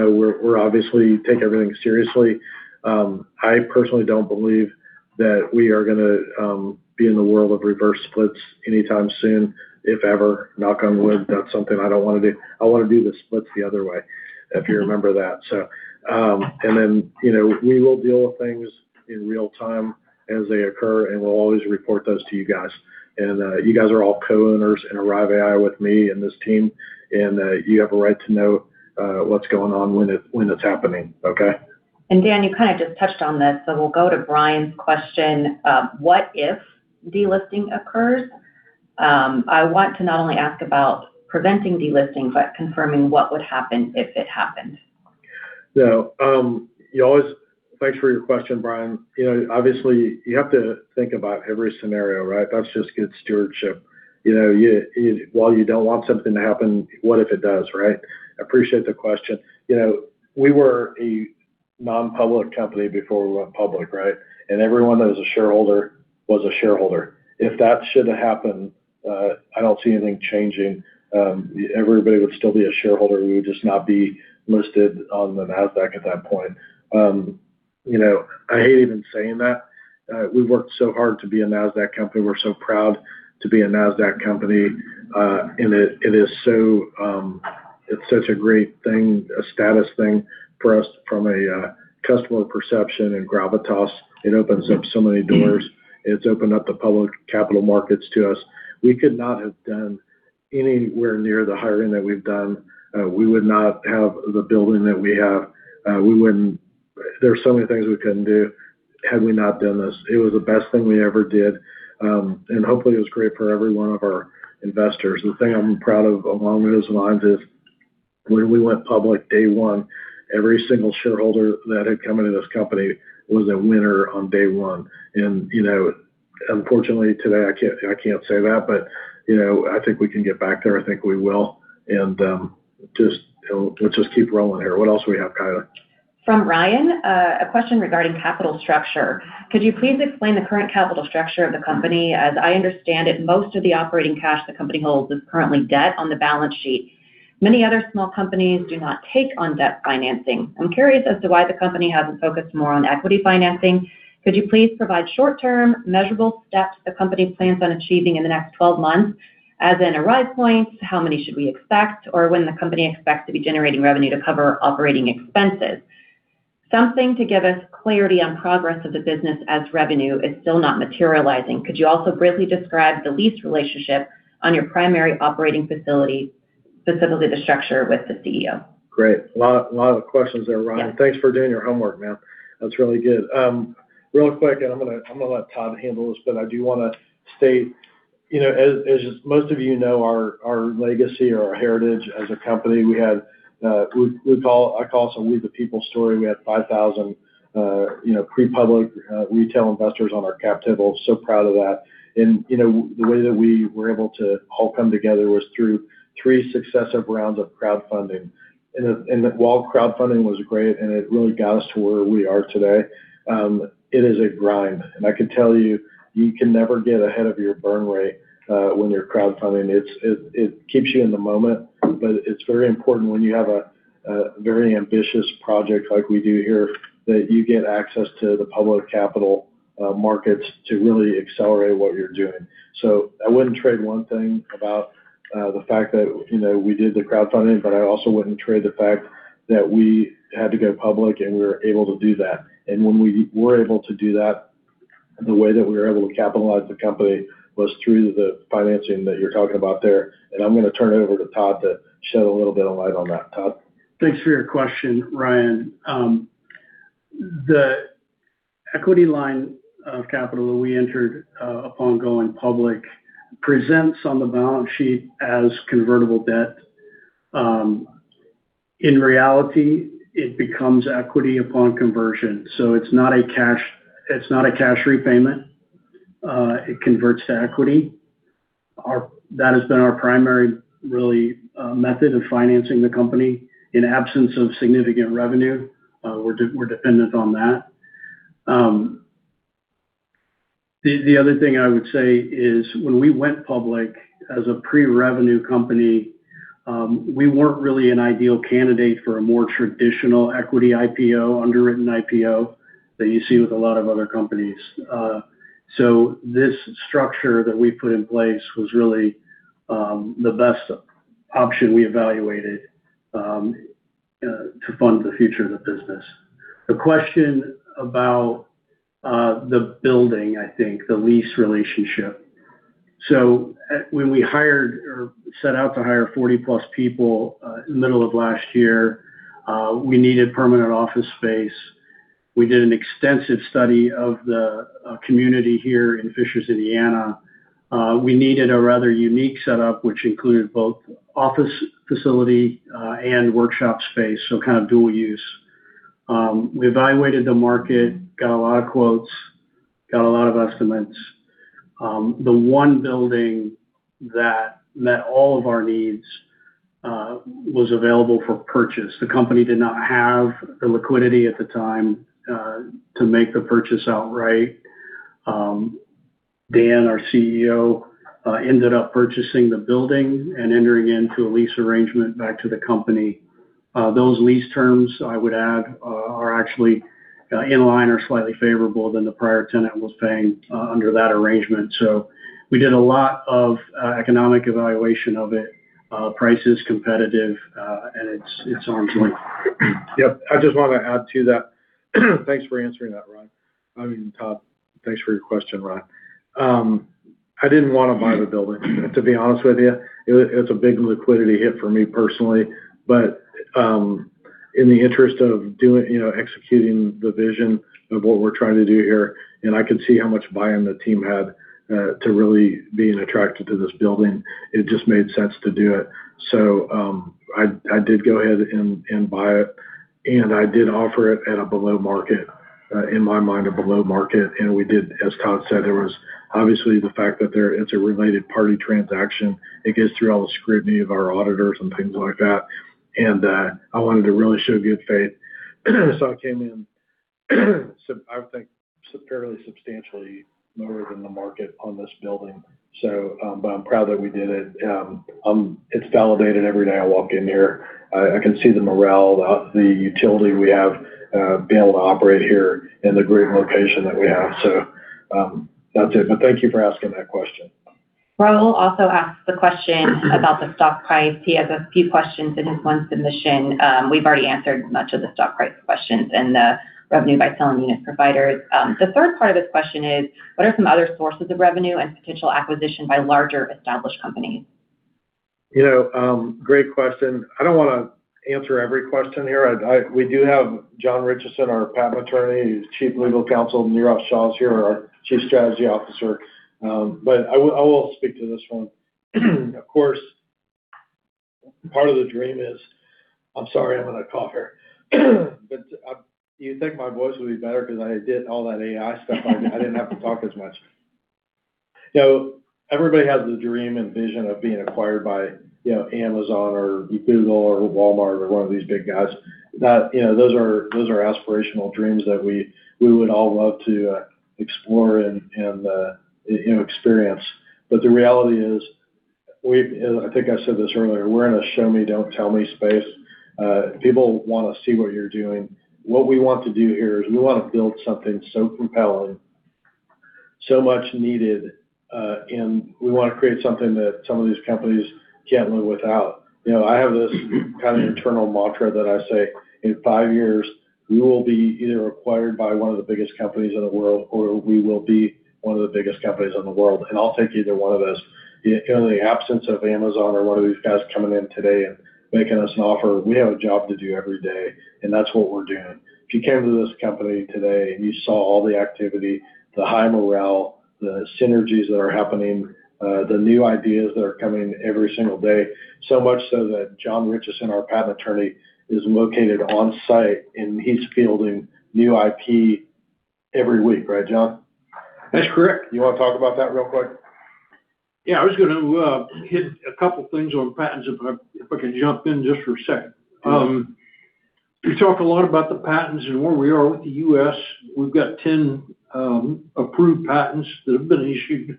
obviously take everything seriously, I personally don't believe that we are going to be in the world of reverse splits anytime soon, if ever. Knock on wood. That's something I don't want to do. I want to do the splits the other way, if you remember that. We will deal with things in real-time as they occur, and we'll always report those to you guys. You guys are all co-owners in Arrive AI with me and this team, and you have a right to know what's going on when it's happening. Okay? Dan, you kind of just touched on this, so we'll go to Brian's question. What if delisting occurs? I want to not only ask about preventing delisting, but confirming what would happen if it happened. Thanks for your question, Brian. Obviously, you have to think about every scenario, right? That's just good stewardship. While you don't want something to happen, what if it does, right? Appreciate the question. We were a non-public company before we went public, right? Everyone that was a shareholder was a shareholder. If that should happen, I don't see anything changing. Everybody would still be a shareholder. We would just not be listed on the Nasdaq at that point. I hate even saying that. We worked so hard to be a Nasdaq company. We're so proud to be a Nasdaq company, and it's such a great thing, a status thing for us from a customer perception and gravitas. It opens up so many doors. It's opened up the public capital markets to us. We could not have done anywhere near the hiring that we've done. We would not have the building that we have. There's so many things we couldn't do had we not done this. It was the best thing we ever did. Hopefully it was great for every one of our investors. The thing I'm proud of along those lines is when we went public day one, every single shareholder that had come into this company was a winner on day one. Unfortunately, today I can't say that, but I think we can get back there. I think we will. Let's just keep rolling here. What else we have, Kylie? From Ryan, a question regarding capital structure. Could you please explain the current capital structure of the company? As I understand it, most of the operating cash the company holds is currently debt on the balance sheet. Many other small companies do not take on debt financing. I'm curious as to why the company hasn't focused more on equity financing. Could you please provide short-term measurable steps the company plans on achieving in the next 12 months, as in Arrive Points, how many should we expect, or when the company expects to be generating revenue to cover operating expenses? Something to give us clarity on progress of the business as revenue is still not materializing. Could you also briefly describe the lease relationship on your primary operating facility, specifically the structure with the CEO? Great. A lot of questions there, Ryan. Yeah. Thanks for doing your homework, man. That's really good. Real quick, and I'm going to let Todd handle this, but I do want to state, as most of you know, our legacy or our heritage as a company, I call us a We the People story. We had 5,000 pre-public retail investors on our cap table. Proud of that. The way that we were able to all come together was through three successive rounds of crowdfunding. While crowdfunding was great and it really got us to where we are today, it is a grind. I can tell you can never get ahead of your burn rate when you're crowdfunding. It keeps you in the moment, but it's very important when you have a very ambitious project like we do here, that you get access to the public capital markets to really accelerate what you're doing. I wouldn't trade one thing about the fact that we did the crowdfunding, but I also wouldn't trade the fact that we had to go public, and we were able to do that. When we were able to do that, the way that we were able to capitalize the company was through the financing that you're talking about there. I'm going to turn it over to Todd to shed a little bit of light on that. Todd? Thanks for your question, Ryan. The equity line of capital that we entered upon going public presents on the balance sheet as convertible debt. In reality, it becomes equity upon conversion, so it's not a cash repayment. It converts to equity. That has been our primary really method of financing the company. In absence of significant revenue, we're dependent on that. The other thing I would say is when we went public as a pre-revenue company, we weren't really an ideal candidate for a more traditional equity IPO, underwritten IPO that you see with a lot of other companies. This structure that we put in place was really the best option we evaluated to fund the future of the business. The question about the building, I think, the lease relationship. When we set out to hire 40+ people in the middle of last year, we needed permanent office space. We did an extensive study of the community here in Fishers, Indiana. We needed a rather unique setup, which included both office facility and workshop space, so kind of dual use. We evaluated the market, got a lot of quotes, got a lot of estimates. The one building that met all of our needs was available for purchase. The company did not have the liquidity at the time to make the purchase outright. Dan, our CEO, ended up purchasing the building and entering into a lease arrangement back to the company. Those lease terms, I would add, are actually in line or slightly favorable than the prior tenant was paying under that arrangement. We did a lot of economic evaluation of it. Price is competitive, and it's on point. Yep. I just want to add to that. Thanks for answering that, Ryan. I mean, Todd. Thanks for your question, Ryan. I didn't want to buy the building, to be honest with you. It's a big liquidity hit for me personally. In the interest of executing the vision of what we're trying to do here, and I can see how much buy-in the team had to really being attracted to this building, it just made sense to do it. I did go ahead and buy it, and I did offer it at, in my mind, a below market. As Todd said, there was obviously the fact that it's a related party transaction. It gets through all the scrutiny of our auditors and things like that, and I wanted to really show good faith. I came in. I would think fairly substantially lower than the market on this building. I'm proud that we did it. It's validated every day I walk in here. I can see the morale, the utility we have being able to operate here in the great location that we have. That's it. Thank you for asking that question. Raul also asked the question about the stock price. He has a few questions in his one submission. We've already answered much of the stock price questions and the revenue by selling unit providers. The third part of his question is, "What are some other sources of revenue and potential acquisition by larger, established companies? Great question. I don't want to answer every question here. We do have John Ritchison, our Patent Attorney, who's Chief Legal Counsel, and Neerav Shah's here, our Chief Strategy Officer. I will speak to this one. I'm sorry, I'm going to cough here. You'd think my voice would be better because I did all that AI stuff. I didn't have to talk as much. Everybody has the dream and vision of being acquired by Amazon or Google or Walmart or one of these big guys. Those are aspirational dreams that we would all love to explore and experience. The reality is, I think I said this earlier, we're in a show me, don't tell me space. People want to see what you're doing. What we want to do here is we want to build something so compelling, so much needed, and we want to create something that some of these companies can't live without. I have this kind of internal mantra that I say. In five years, we will be either acquired by one of the biggest companies in the world, or we will be one of the biggest companies in the world, and I'll take either one of those. In the absence of Amazon or one of these guys coming in today and making us an offer, we have a job to do every day, and that's what we're doing. If you came to this company today and you saw all the activity, the high morale, the synergies that are happening, the new ideas that are coming every single day, so much so that John Ritchison, our Patent Attorney, is located on-site, and he's fielding new IP every week. Right, John? That's correct. You want to talk about that real quick? Yeah, I was going to hit a couple things on patents, if I could jump in just for a sec. We talked a lot about the patents and where we are with the U.S. We've got 10 approved patents that have been issued.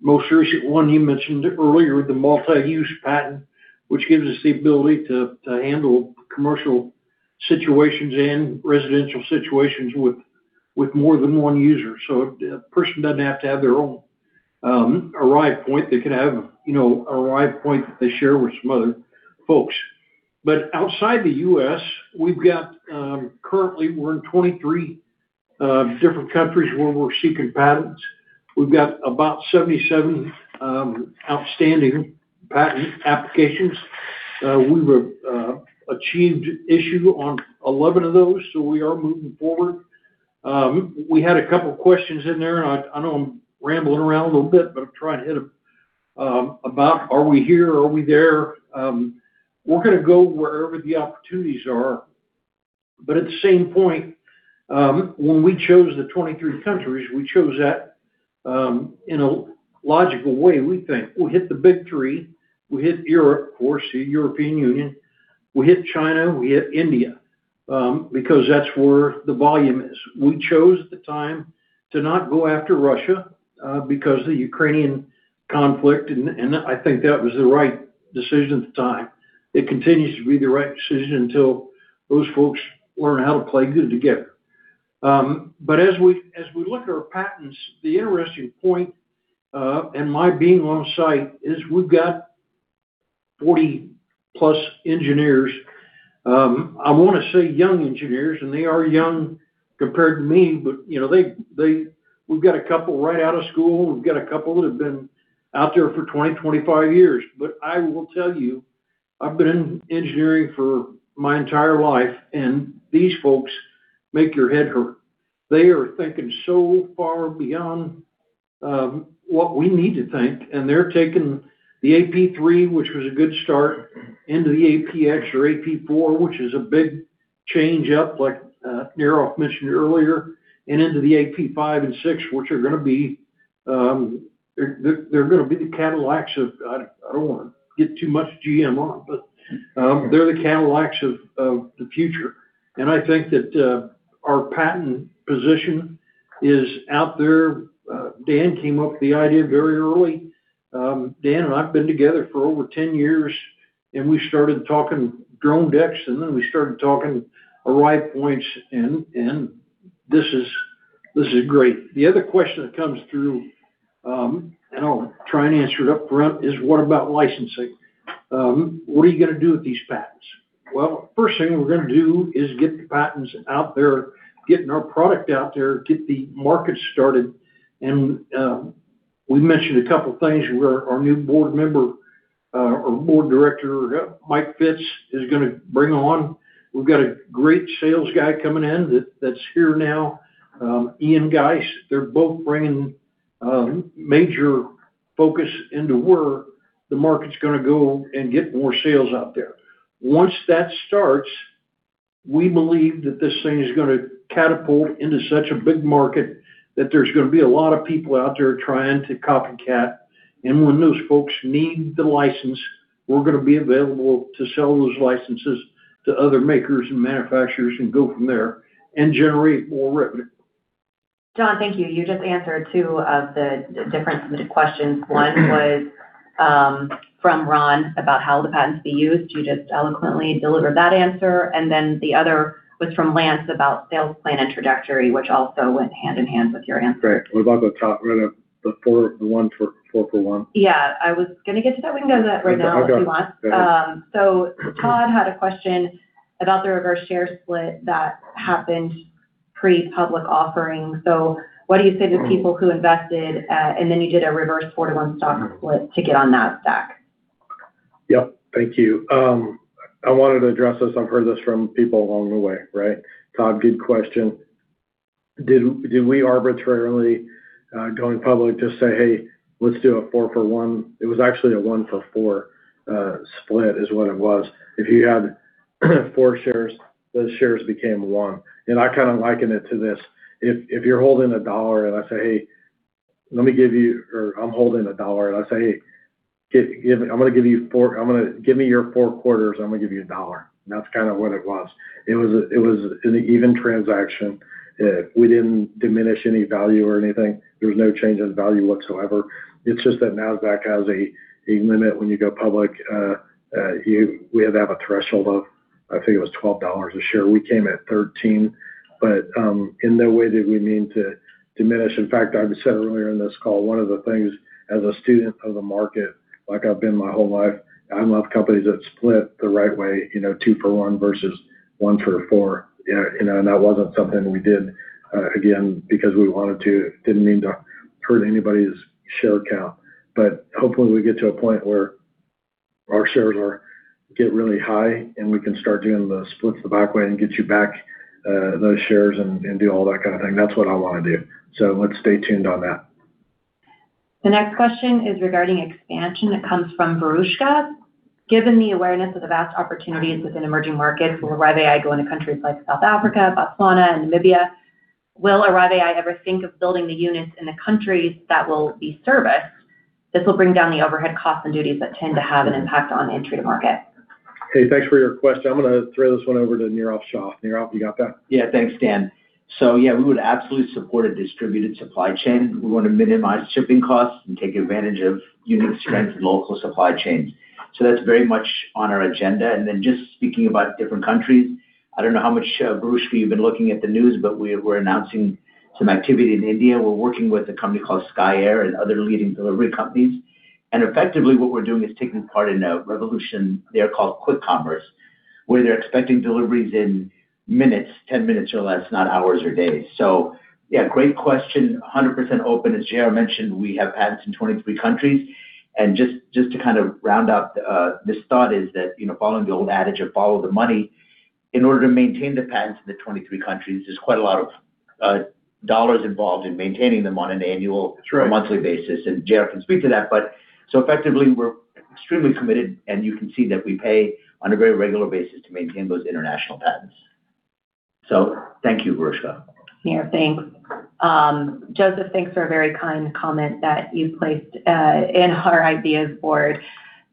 Most recent one, you mentioned it earlier, the multi-use patent, which gives us the ability to handle commercial situations and residential situations with more than one user. A person doesn't have to have their own Arrive Point. They can have an Arrive Point that they share with some other folks. Outside the U.S., currently we're in 23 different countries where we're seeking patents. We've got about 77 outstanding patent applications. We achieved issue on 11 of those, so we are moving forward. We had a couple questions in there, and I know I'm rambling around a little bit, but I'm trying to hit them, about are we here or are we there? We're going to go wherever the opportunities are. At the same point, when we chose the 23 countries, we chose that in a logical way, we think. We hit the big three. We hit Europe, of course, the European Union. We hit China, we hit India, because that's where the volume is. We chose at the time to not go after Russia because of the Ukrainian conflict, and I think that was the right decision at the time. It continues to be the right decision until those folks learn how to play good together. As we look at our patents, the interesting point, and my being on site, is we've got 40+ engineers. I want to say young engineers, and they are young compared to me, but we've got a couple right out of school. We've got a couple that have been out there for 20, 25 years. I will tell you, I've been in engineering for my entire life, and these folks make your head hurt. They are thinking so far beyond what we need to think, and they're taking the AP3, which was a good start, into the APX or AP4, which is a big change up, like Neerav mentioned earlier, and into the AP5 and AP6, which are going to be the Cadillacs of, I don't want to get too much GM on, but they're the Cadillacs of the future. I think that our patent position is out there. Dan came up with the idea very early. Dan and I have been together for over 10 years. We started talking drone decks. We started talking Arrive Points. This is great. The other question that comes through, and I'll try and answer it up front, is what about licensing? What are you going to do with these patents? Well, first thing we're going to do is get the patents out there, getting our product out there, get the market started. We mentioned a couple things where our new Board Member, or Board Director, Mike Fitz, is going to bring on. We've got a great sales guy coming in that's here now, Ian Geise. They're both bringing major focus into where the market's going to go and get more sales out there. Once that starts, we believe that this thing is going to catapult into such a big market that there's going to be a lot of people out there trying to copycat. When those folks need the license, we're going to be available to sell those licenses to other makers and manufacturers and go from there, and generate more revenue. John, thank you. You just answered two of the different submitted questions. One was from Ron about how the patents be used. You just eloquently delivered that answer. The other was from Lance about sales plan introductory, which also went hand in hand with your answer. Great. What about the top write-up, the four-for-one? Yeah, I was going to get to that. We can go to that right now if you want. Okay. Great. Todd had a question about the reverse share split that happened pre-public offering. What do you say to people who invested, and then you did a reverse four-to-one stock split to get on Nasdaq? Yep. Thank you. I wanted to address this. I've heard this from people along the way, right? Todd, good question. Did we arbitrarily, going public, just say, "Hey, let's do a four-for-one?" It was actually a one-for-four split is what it was. If you had four shares, those shares became one. I kind of liken it to this, if you're holding a dollar and I say, "Hey, give me your four quarters, I'm going to give you a dollar." That's kind of what it was. It was an even transaction. We didn't diminish any value or anything. There was no change in value whatsoever. It's just that Nasdaq has a limit when you go public. We had to have a threshold of, I think it was $12 a share. We came at $13. In no way did we mean to diminish. In fact, I said earlier in this call, as a student of the market, like I've been my whole life, I love companies that split the right way, two-for-one versus one-for-four. That wasn't something we did, again, because we wanted to. We didn't mean to hurt anybody's share count. Hopefully we get to a point where our shares get really high, and we can start doing the splits the back way and get you back those shares and do all that kind of thing. That's what I want to do. Let's stay tuned on that. The next question is regarding expansion. It comes from Verushka. Given the awareness of the vast opportunities within emerging markets, will Arrive AI go into countries like South Africa, Botswana, and Namibia? Will Arrive AI ever think of building the units in the countries that will be serviced? This will bring down the overhead costs and duties that tend to have an impact on entry to market. Okay, thanks for your question. I'm going to throw this one over to Neerav Shah. Neerav, you got that? Yeah. Thanks, Dan. Yeah, we would absolutely support a distributed supply chain. We want to minimize shipping costs and take advantage of unique strengths of local supply chains. That's very much on our agenda. Just speaking about different countries, I don't know how much, Verushka, you've been looking at the news, but we're announcing some activity in India. We're working with a company called Skye Air and other leading delivery companies. Effectively what we're doing is taking part in a revolution there called quick commerce, where they're expecting deliveries in minutes, 10 minutes or less, not hours or days. Yeah, great question. 100% open. As J.R. mentioned, we have patents in 23 countries. Just to kind of round out this thought is that, following the old adage of follow the money, in order to maintain the patents in the 23 countries, there's quite a lot of dollars involved in maintaining them on an annual- Sure - or monthly basis, and J.R. can speak to that. Effectively, we're extremely committed, and you can see that we pay on a very regular basis to maintain those international patents. Thank you, Verushka. Neerav, thanks. Joseph, thanks for a very kind comment that you placed in our ideas board.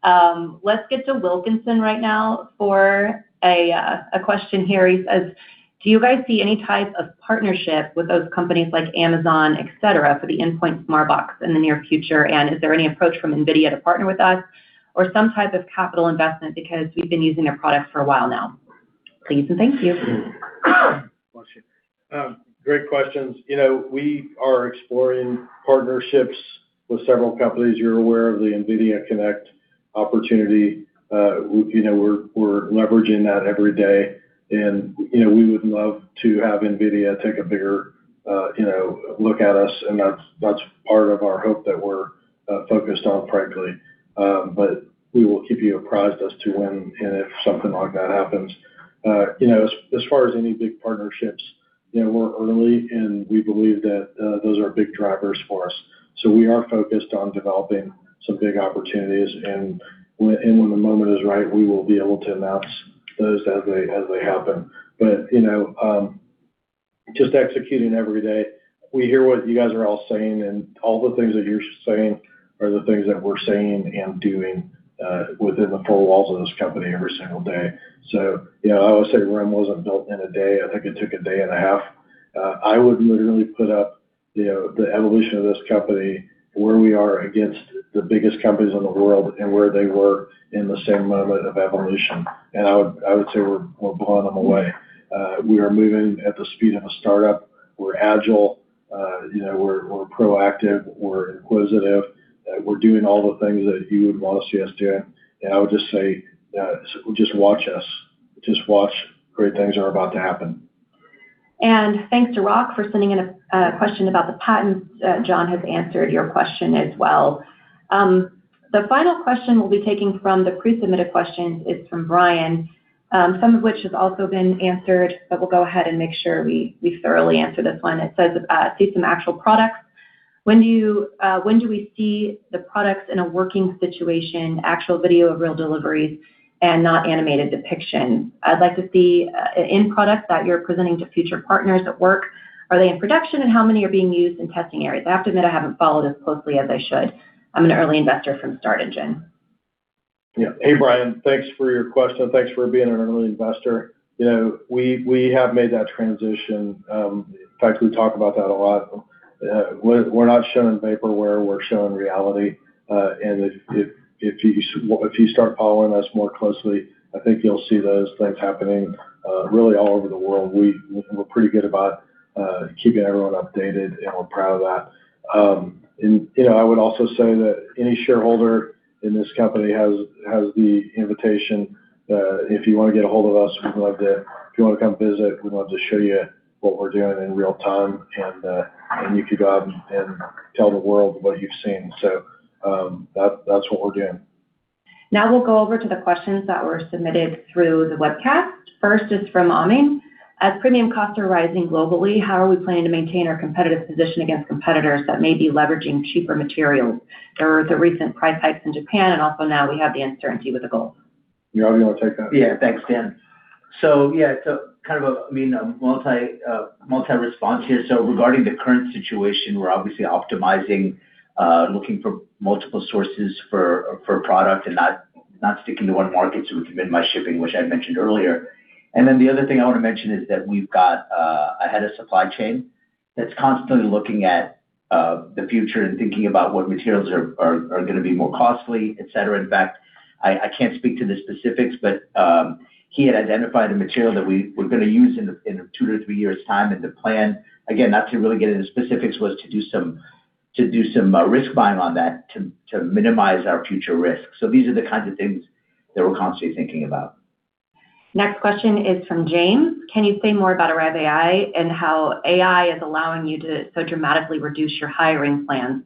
Let's get to Wilkinson right now for a question here. He says, do you guys see any type of partnership with those companies like Amazon, et cetera, for the endpoint smart box in the near future? Is there any approach from NVIDIA to partner with us or some type of capital investment because we've been using their product for a while now? Please and thank you. Great questions. We are exploring partnerships with several companies. You're aware of the NVIDIA Connect opportunity. We're leveraging that every day. We would love to have NVIDIA take a bigger look at us, and that's part of our hope that we're focused on, frankly. We will keep you apprised as to when and if something like that happens. As far as any big partnerships, we're early, and we believe that those are big drivers for us. We are focused on developing some big opportunities. When the moment is right, we will be able to announce those as they happen. Just executing every day. We hear what you guys are all saying, and all the things that you're saying are the things that we're saying and doing within the four walls of this company every single day. I always say Rome wasn't built in a day. I think it took a day and a half. I would literally put up the evolution of this company, where we are against the biggest companies in the world and where they were in the same moment of evolution, and I would say we're blowing them away. We are moving at the speed of a startup. We're agile. We're proactive. We're inquisitive. We're doing all the things that you would want to see us doing. I would just say, just watch us. Just watch. Great things are about to happen. Thanks to Rock for sending in a question about the patents. John has answered your question as well. The final question we'll be taking from the pre-submitted questions is from Brian, some of which has also been answered, but we'll go ahead and make sure we thoroughly answer this one. It says, "See some actual products. When do we see the products in a working situation, actual video of real deliveries, and not animated depiction? I'd like to see an end product that you're presenting to future partners at work. Are they in production, and how many are being used in testing areas? I have to admit, I haven't followed as closely as I should. I'm an early investor from StartEngine. Yeah. Hey, Brian, thanks for your question. Thanks for being an early investor. We have made that transition. In fact, we talk about that a lot. We're not showing vaporware, we're showing reality. If you start following us more closely, I think you'll see those things happening really all over the world. We're pretty good about keeping everyone updated, and we're proud of that. I would also say that any shareholder in this company has the invitation. If you want to get a hold of us, we'd love that. If you want to come visit, we'd love to show you what we're doing in real time, and you can go out and tell the world what you've seen. That's what we're doing. Now we'll go over to the questions that were submitted through the webcast. First is from Ami. As premium costs are rising globally, how are we planning to maintain our competitive position against competitors that may be leveraging cheaper materials? There are the recent price hikes in Japan, and also now we have the uncertainty with the gold. You want me to take that? Yeah. Thanks, Dan. Yeah, it's a multi-response here. Regarding the current situation, we're obviously optimizing, looking for multiple sources for product and not sticking to one market to minimize shipping, which I mentioned earlier. The other thing I want to mention is that we've got a Head of Supply Chain that's constantly looking at the future and thinking about what materials are going to be more costly, et cetera. In fact, I can't speak to the specifics, but he had identified the material that we were going to use in two to three years' time, and the plan, again, not to really get into specifics, was to do some risk buying on that to minimize our future risk. These are the kinds of things that we're constantly thinking about. Next question is from James. Can you say more about Arrive AI and how AI is allowing you to so dramatically reduce your hiring plans?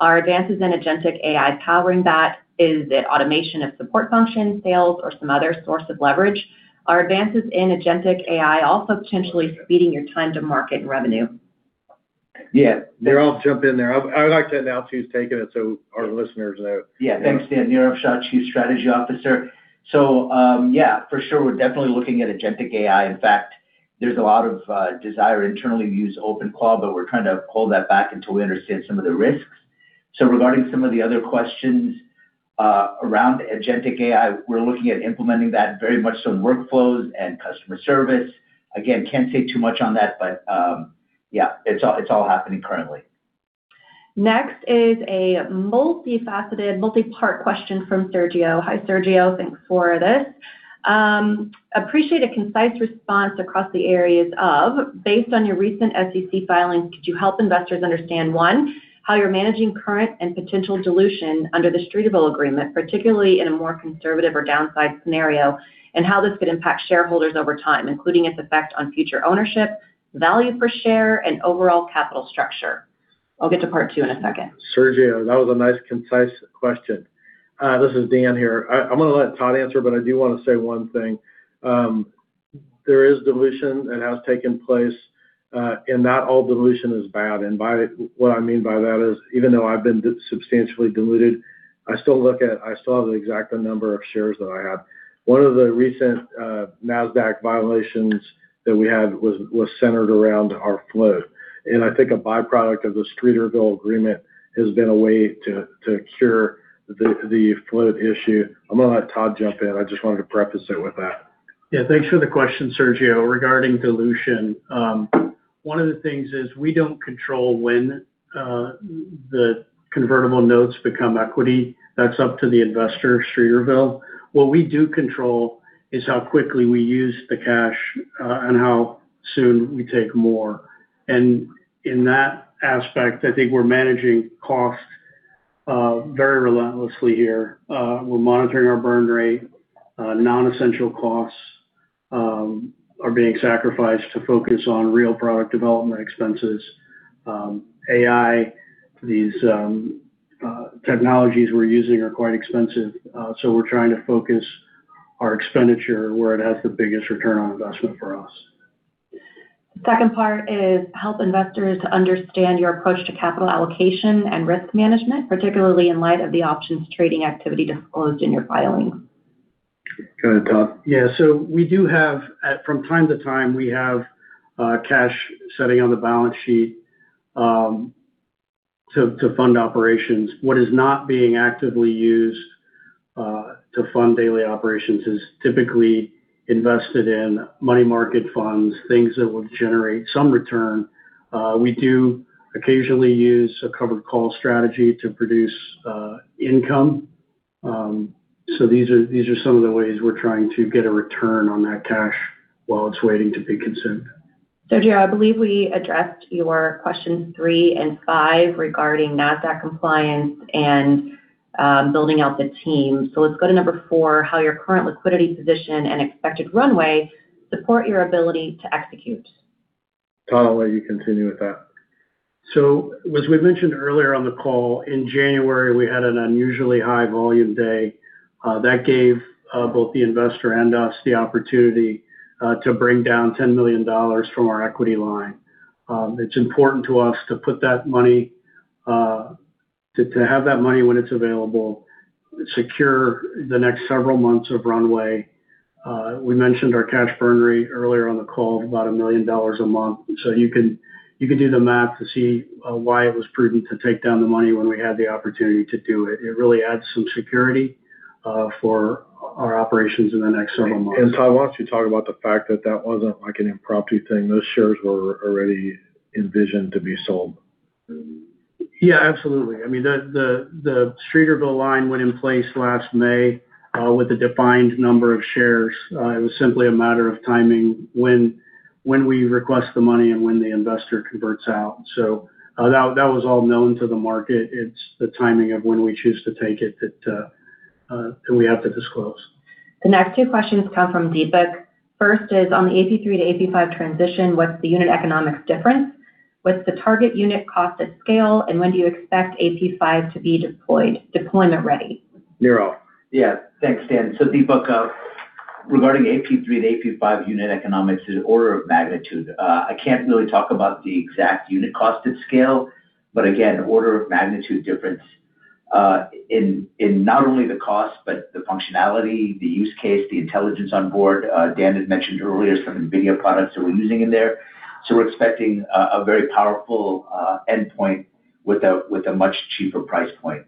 Are advances in agentic AI powering that? Is it automation of support functions, sales, or some other source of leverage? Are advances in agentic AI also potentially speeding your time to market and revenue? Yeah. I'll jump in there. I would like to announce who's taking it so our listeners know. Yeah. Thanks, Dan. Neerav Shah, Chief Strategy Officer. Yeah, for sure, we're definitely looking at agentic AI. In fact, there's a lot of desire internally to use OpenAI, but we're trying to hold that back until we understand some of the risks. Regarding some of the other questions around agentic AI, we're looking at implementing that very much some workflows and customer service. Again, can't say too much on that, but, yeah, it's all happening currently. Next is a multi-faceted, multi-part question from Sergio. Hi, Sergio. Thanks for this. I appreciate a concise response across the areas of, based on your recent SEC filings, could you help investors understand, one, how you're managing current and potential dilution under the Streeterville Agreement, particularly in a more conservative or downside scenario, and how this could impact shareholders over time, including its effect on future ownership, value per share, and overall capital structure? I'll get to part two in a second. Sergio, that was a nice, concise question. This is Dan here. I'm going to let Todd answer, but I do want to say one thing. There is dilution that has taken place, and not all dilution is bad. What I mean by that is, even though I've been substantially diluted, I still have the exact number of shares that I have. One of the recent Nasdaq violations that we had was centered around our float. I think a byproduct of the Streeterville Agreement has been a way to cure the float issue. I'm going to let Todd jump in. I just wanted to preface it with that. Yeah. Thanks for the question, Sergio. Regarding dilution, one of the things is we don't control when the convertible notes become equity. That's up to the investor, Streeterville. What we do control is how quickly we use the cash, and how soon we take more. In that aspect, I think we're managing cost very relentlessly here. We're monitoring our burn rate. Non-essential costs are being sacrificed to focus on real product development expenses. AI, these technologies we're using are quite expensive. We're trying to focus our expenditure where it has the biggest return on investment for us. Second part is help investors to understand your approach to capital allocation and risk management, particularly in light of the options trading activity disclosed in your filings. Go ahead, Todd. Yeah. From time to time, we have cash sitting on the balance sheet to fund operations. What is not being actively used to fund daily operations is typically invested in money market funds, things that will generate some return. We do occasionally use a covered call strategy to produce income. These are some of the ways we're trying to get a return on that cash while it's waiting to be consumed. Sergio, I believe we addressed your questions three and five regarding Nasdaq compliance and building out the team. Let's go to number four, how your current liquidity position and expected runway support your ability to execute. Todd, I'll let you continue with that. As we mentioned earlier on the call, in January, we had an unusually high volume day that gave both the investor and us the opportunity to bring down $10 million from our equity line. It's important to us to have that money when it's available, secure the next several months of runway. We mentioned our cash burn rate earlier on the call, about $1 million a month. You can do the math to see why it was prudent to take down the money when we had the opportunity to do it. It really adds some security for our operations in the next several months. Todd, why don't you talk about the fact that that wasn't like an impromptu thing? Those shares were already envisioned to be sold. Yeah, absolutely. I mean, the Streeterville line went in place last May with a defined number of shares. It was simply a matter of timing when we request the money and when the investor converts out. That was all known to the market. It's the timing of when we choose to take it that we have to disclose. The next two questions come from Deepak. First is, on the AP3 to AP5 transition, what's the unit economics difference? What's the target unit cost of scale, and when do you expect AP5 to be deployment ready? Neerav. Yeah. Thanks, Dan. Deepak, regarding AP3 to AP5 unit economics is order of magnitude. I can't really talk about the exact unit cost of scale, but again, order of magnitude difference in not only the cost but the functionality, the use case, the intelligence on board. Dan had mentioned earlier some NVIDIA products that we're using in there. We're expecting a very powerful endpoint with a much cheaper price point.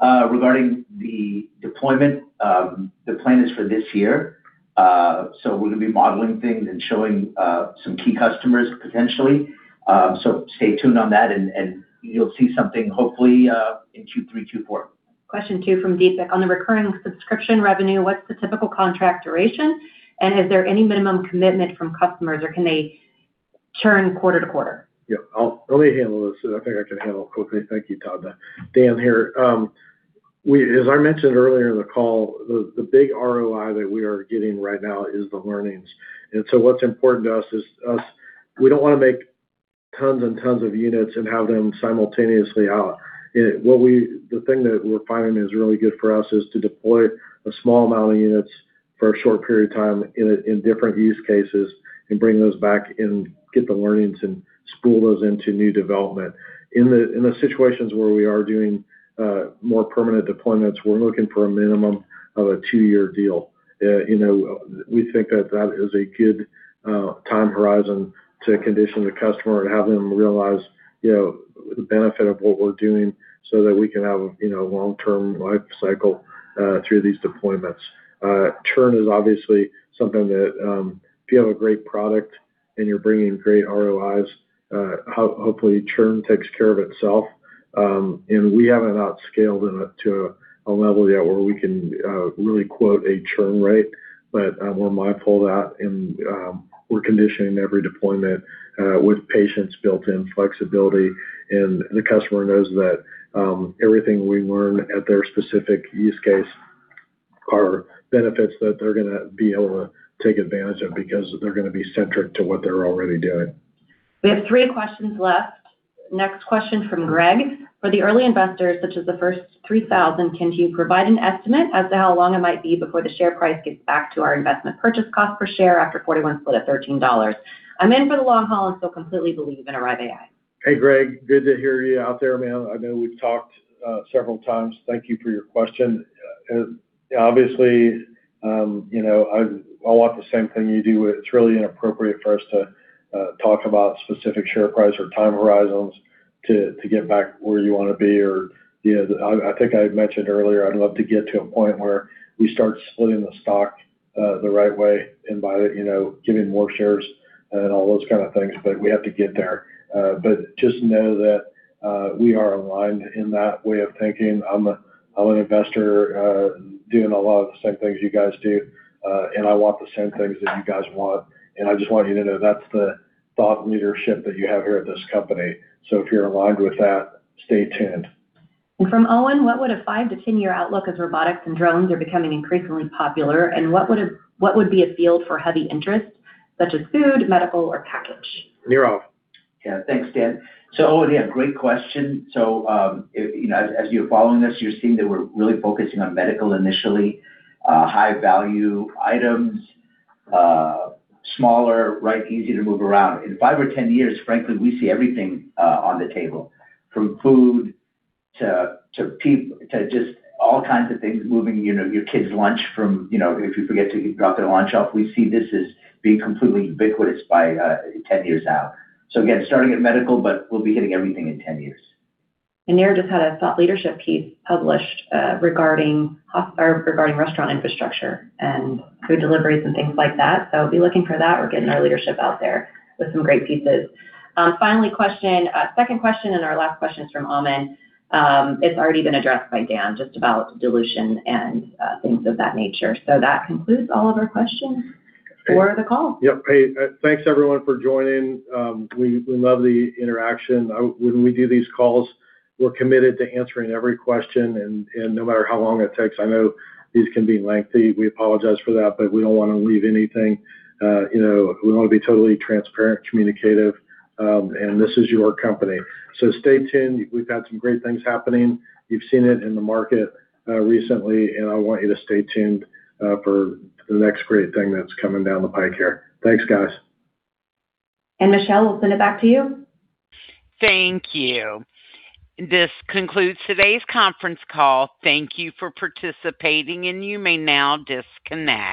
Regarding the deployment, the plan is for this year. We're going to be modeling things and showing some key customers potentially. Stay tuned on that and you'll see something, hopefully, in Q3, Q4. Question two from Deepak, on the recurring subscription revenue, what's the typical contract duration? Is there any minimum commitment from customers or can they churn quarter-to-quarter? Yeah. Let me handle this. I think I can handle quickly. Thank you, Todd. Dan here. As I mentioned earlier in the call, the big ROI that we are getting right now is the learnings. What's important to us is we don't want to make tons and tons of units and have them simultaneously out. The thing that we're finding is really good for us is to deploy a small amount of units for a short period of time in different use cases and bring those back and get the learnings and spool those into new development. In the situations where we are doing more permanent deployments, we're looking for a minimum of a two-year deal. We think that is a good time horizon to condition the customer and have them realize the benefit of what we're doing so that we can have a long-term life cycle through these deployments. Churn is obviously something that, if you have a great product and you're bringing great ROIs, hopefully churn takes care of itself. We haven't outscaled to a level yet where we can really quote a churn rate. We're mindful of that and we're conditioning every deployment with patience built in, flexibility, and the customer knows that everything we learn at their specific use case are benefits that they're going to be able to take advantage of because they're going to be centric to what they're already doing. We have three questions left. Next question from Greg. For the early investors, such as the first 3,000, can you provide an estimate as to how long it might be before the share price gets back to our investment purchase cost per share after four-to-one split at $13? I'm in for the long haul and still completely believe in Arrive AI. Hey Greg, good to hear you out there, man. I know we've talked several times. Thank you for your question. Obviously, I want the same thing you do. It's really inappropriate for us to talk about specific share price or time horizons to get back where you want to be, or I think I had mentioned earlier, I'd love to get to a point where we start splitting the stock the right way and by giving more shares and all those kind of things, but we have to get there. Just know that we are aligned in that way of thinking. I'm an investor doing a lot of the same things you guys do, and I want the same things that you guys want, and I just want you to know that's the thought leadership that you have here at this company. If you're aligned with that, stay tuned. From Owen, what would a 5-10 year outlook as robotics and drones are becoming increasingly popular? What would be a field for heavy interest, such as food, medical, or package? Neerav. Yeah, thanks, Dan. Owen, yeah, great question. As you're following us, you're seeing that we're really focusing on medical initially. High-value items, smaller, easy to move around. In five or 10 years, frankly, we see everything on the table, from food to just all kinds of things moving your kids' lunch from if you forget to drop their lunch off. We see this as being completely ubiquitous by 10 years out. Again, starting at medical, but we'll be hitting everything in 10 years. Neerav just had a thought leadership piece published regarding restaurant infrastructure and food deliveries and things like that. Be looking for that. We're getting our leadership out there with some great pieces. Finally, second question and our last question is from Amen. It's already been addressed by Dan, just about dilution and things of that nature. That concludes all of our questions for the call. Yep. Hey, thanks everyone for joining. We love the interaction. When we do these calls, we're committed to answering every question, and no matter how long it takes. I know these can be lengthy. We apologize for that, but we don't want to leave anything. We want to be totally transparent, communicative, and this is your company. Stay tuned. We've got some great things happening. You've seen it in the market recently, and I want you to stay tuned for the next great thing that's coming down the pike here. Thanks, guys. Michelle, we'll send it back to you. Thank you. This concludes today's conference call. Thank you for participating, and you may now disconnect.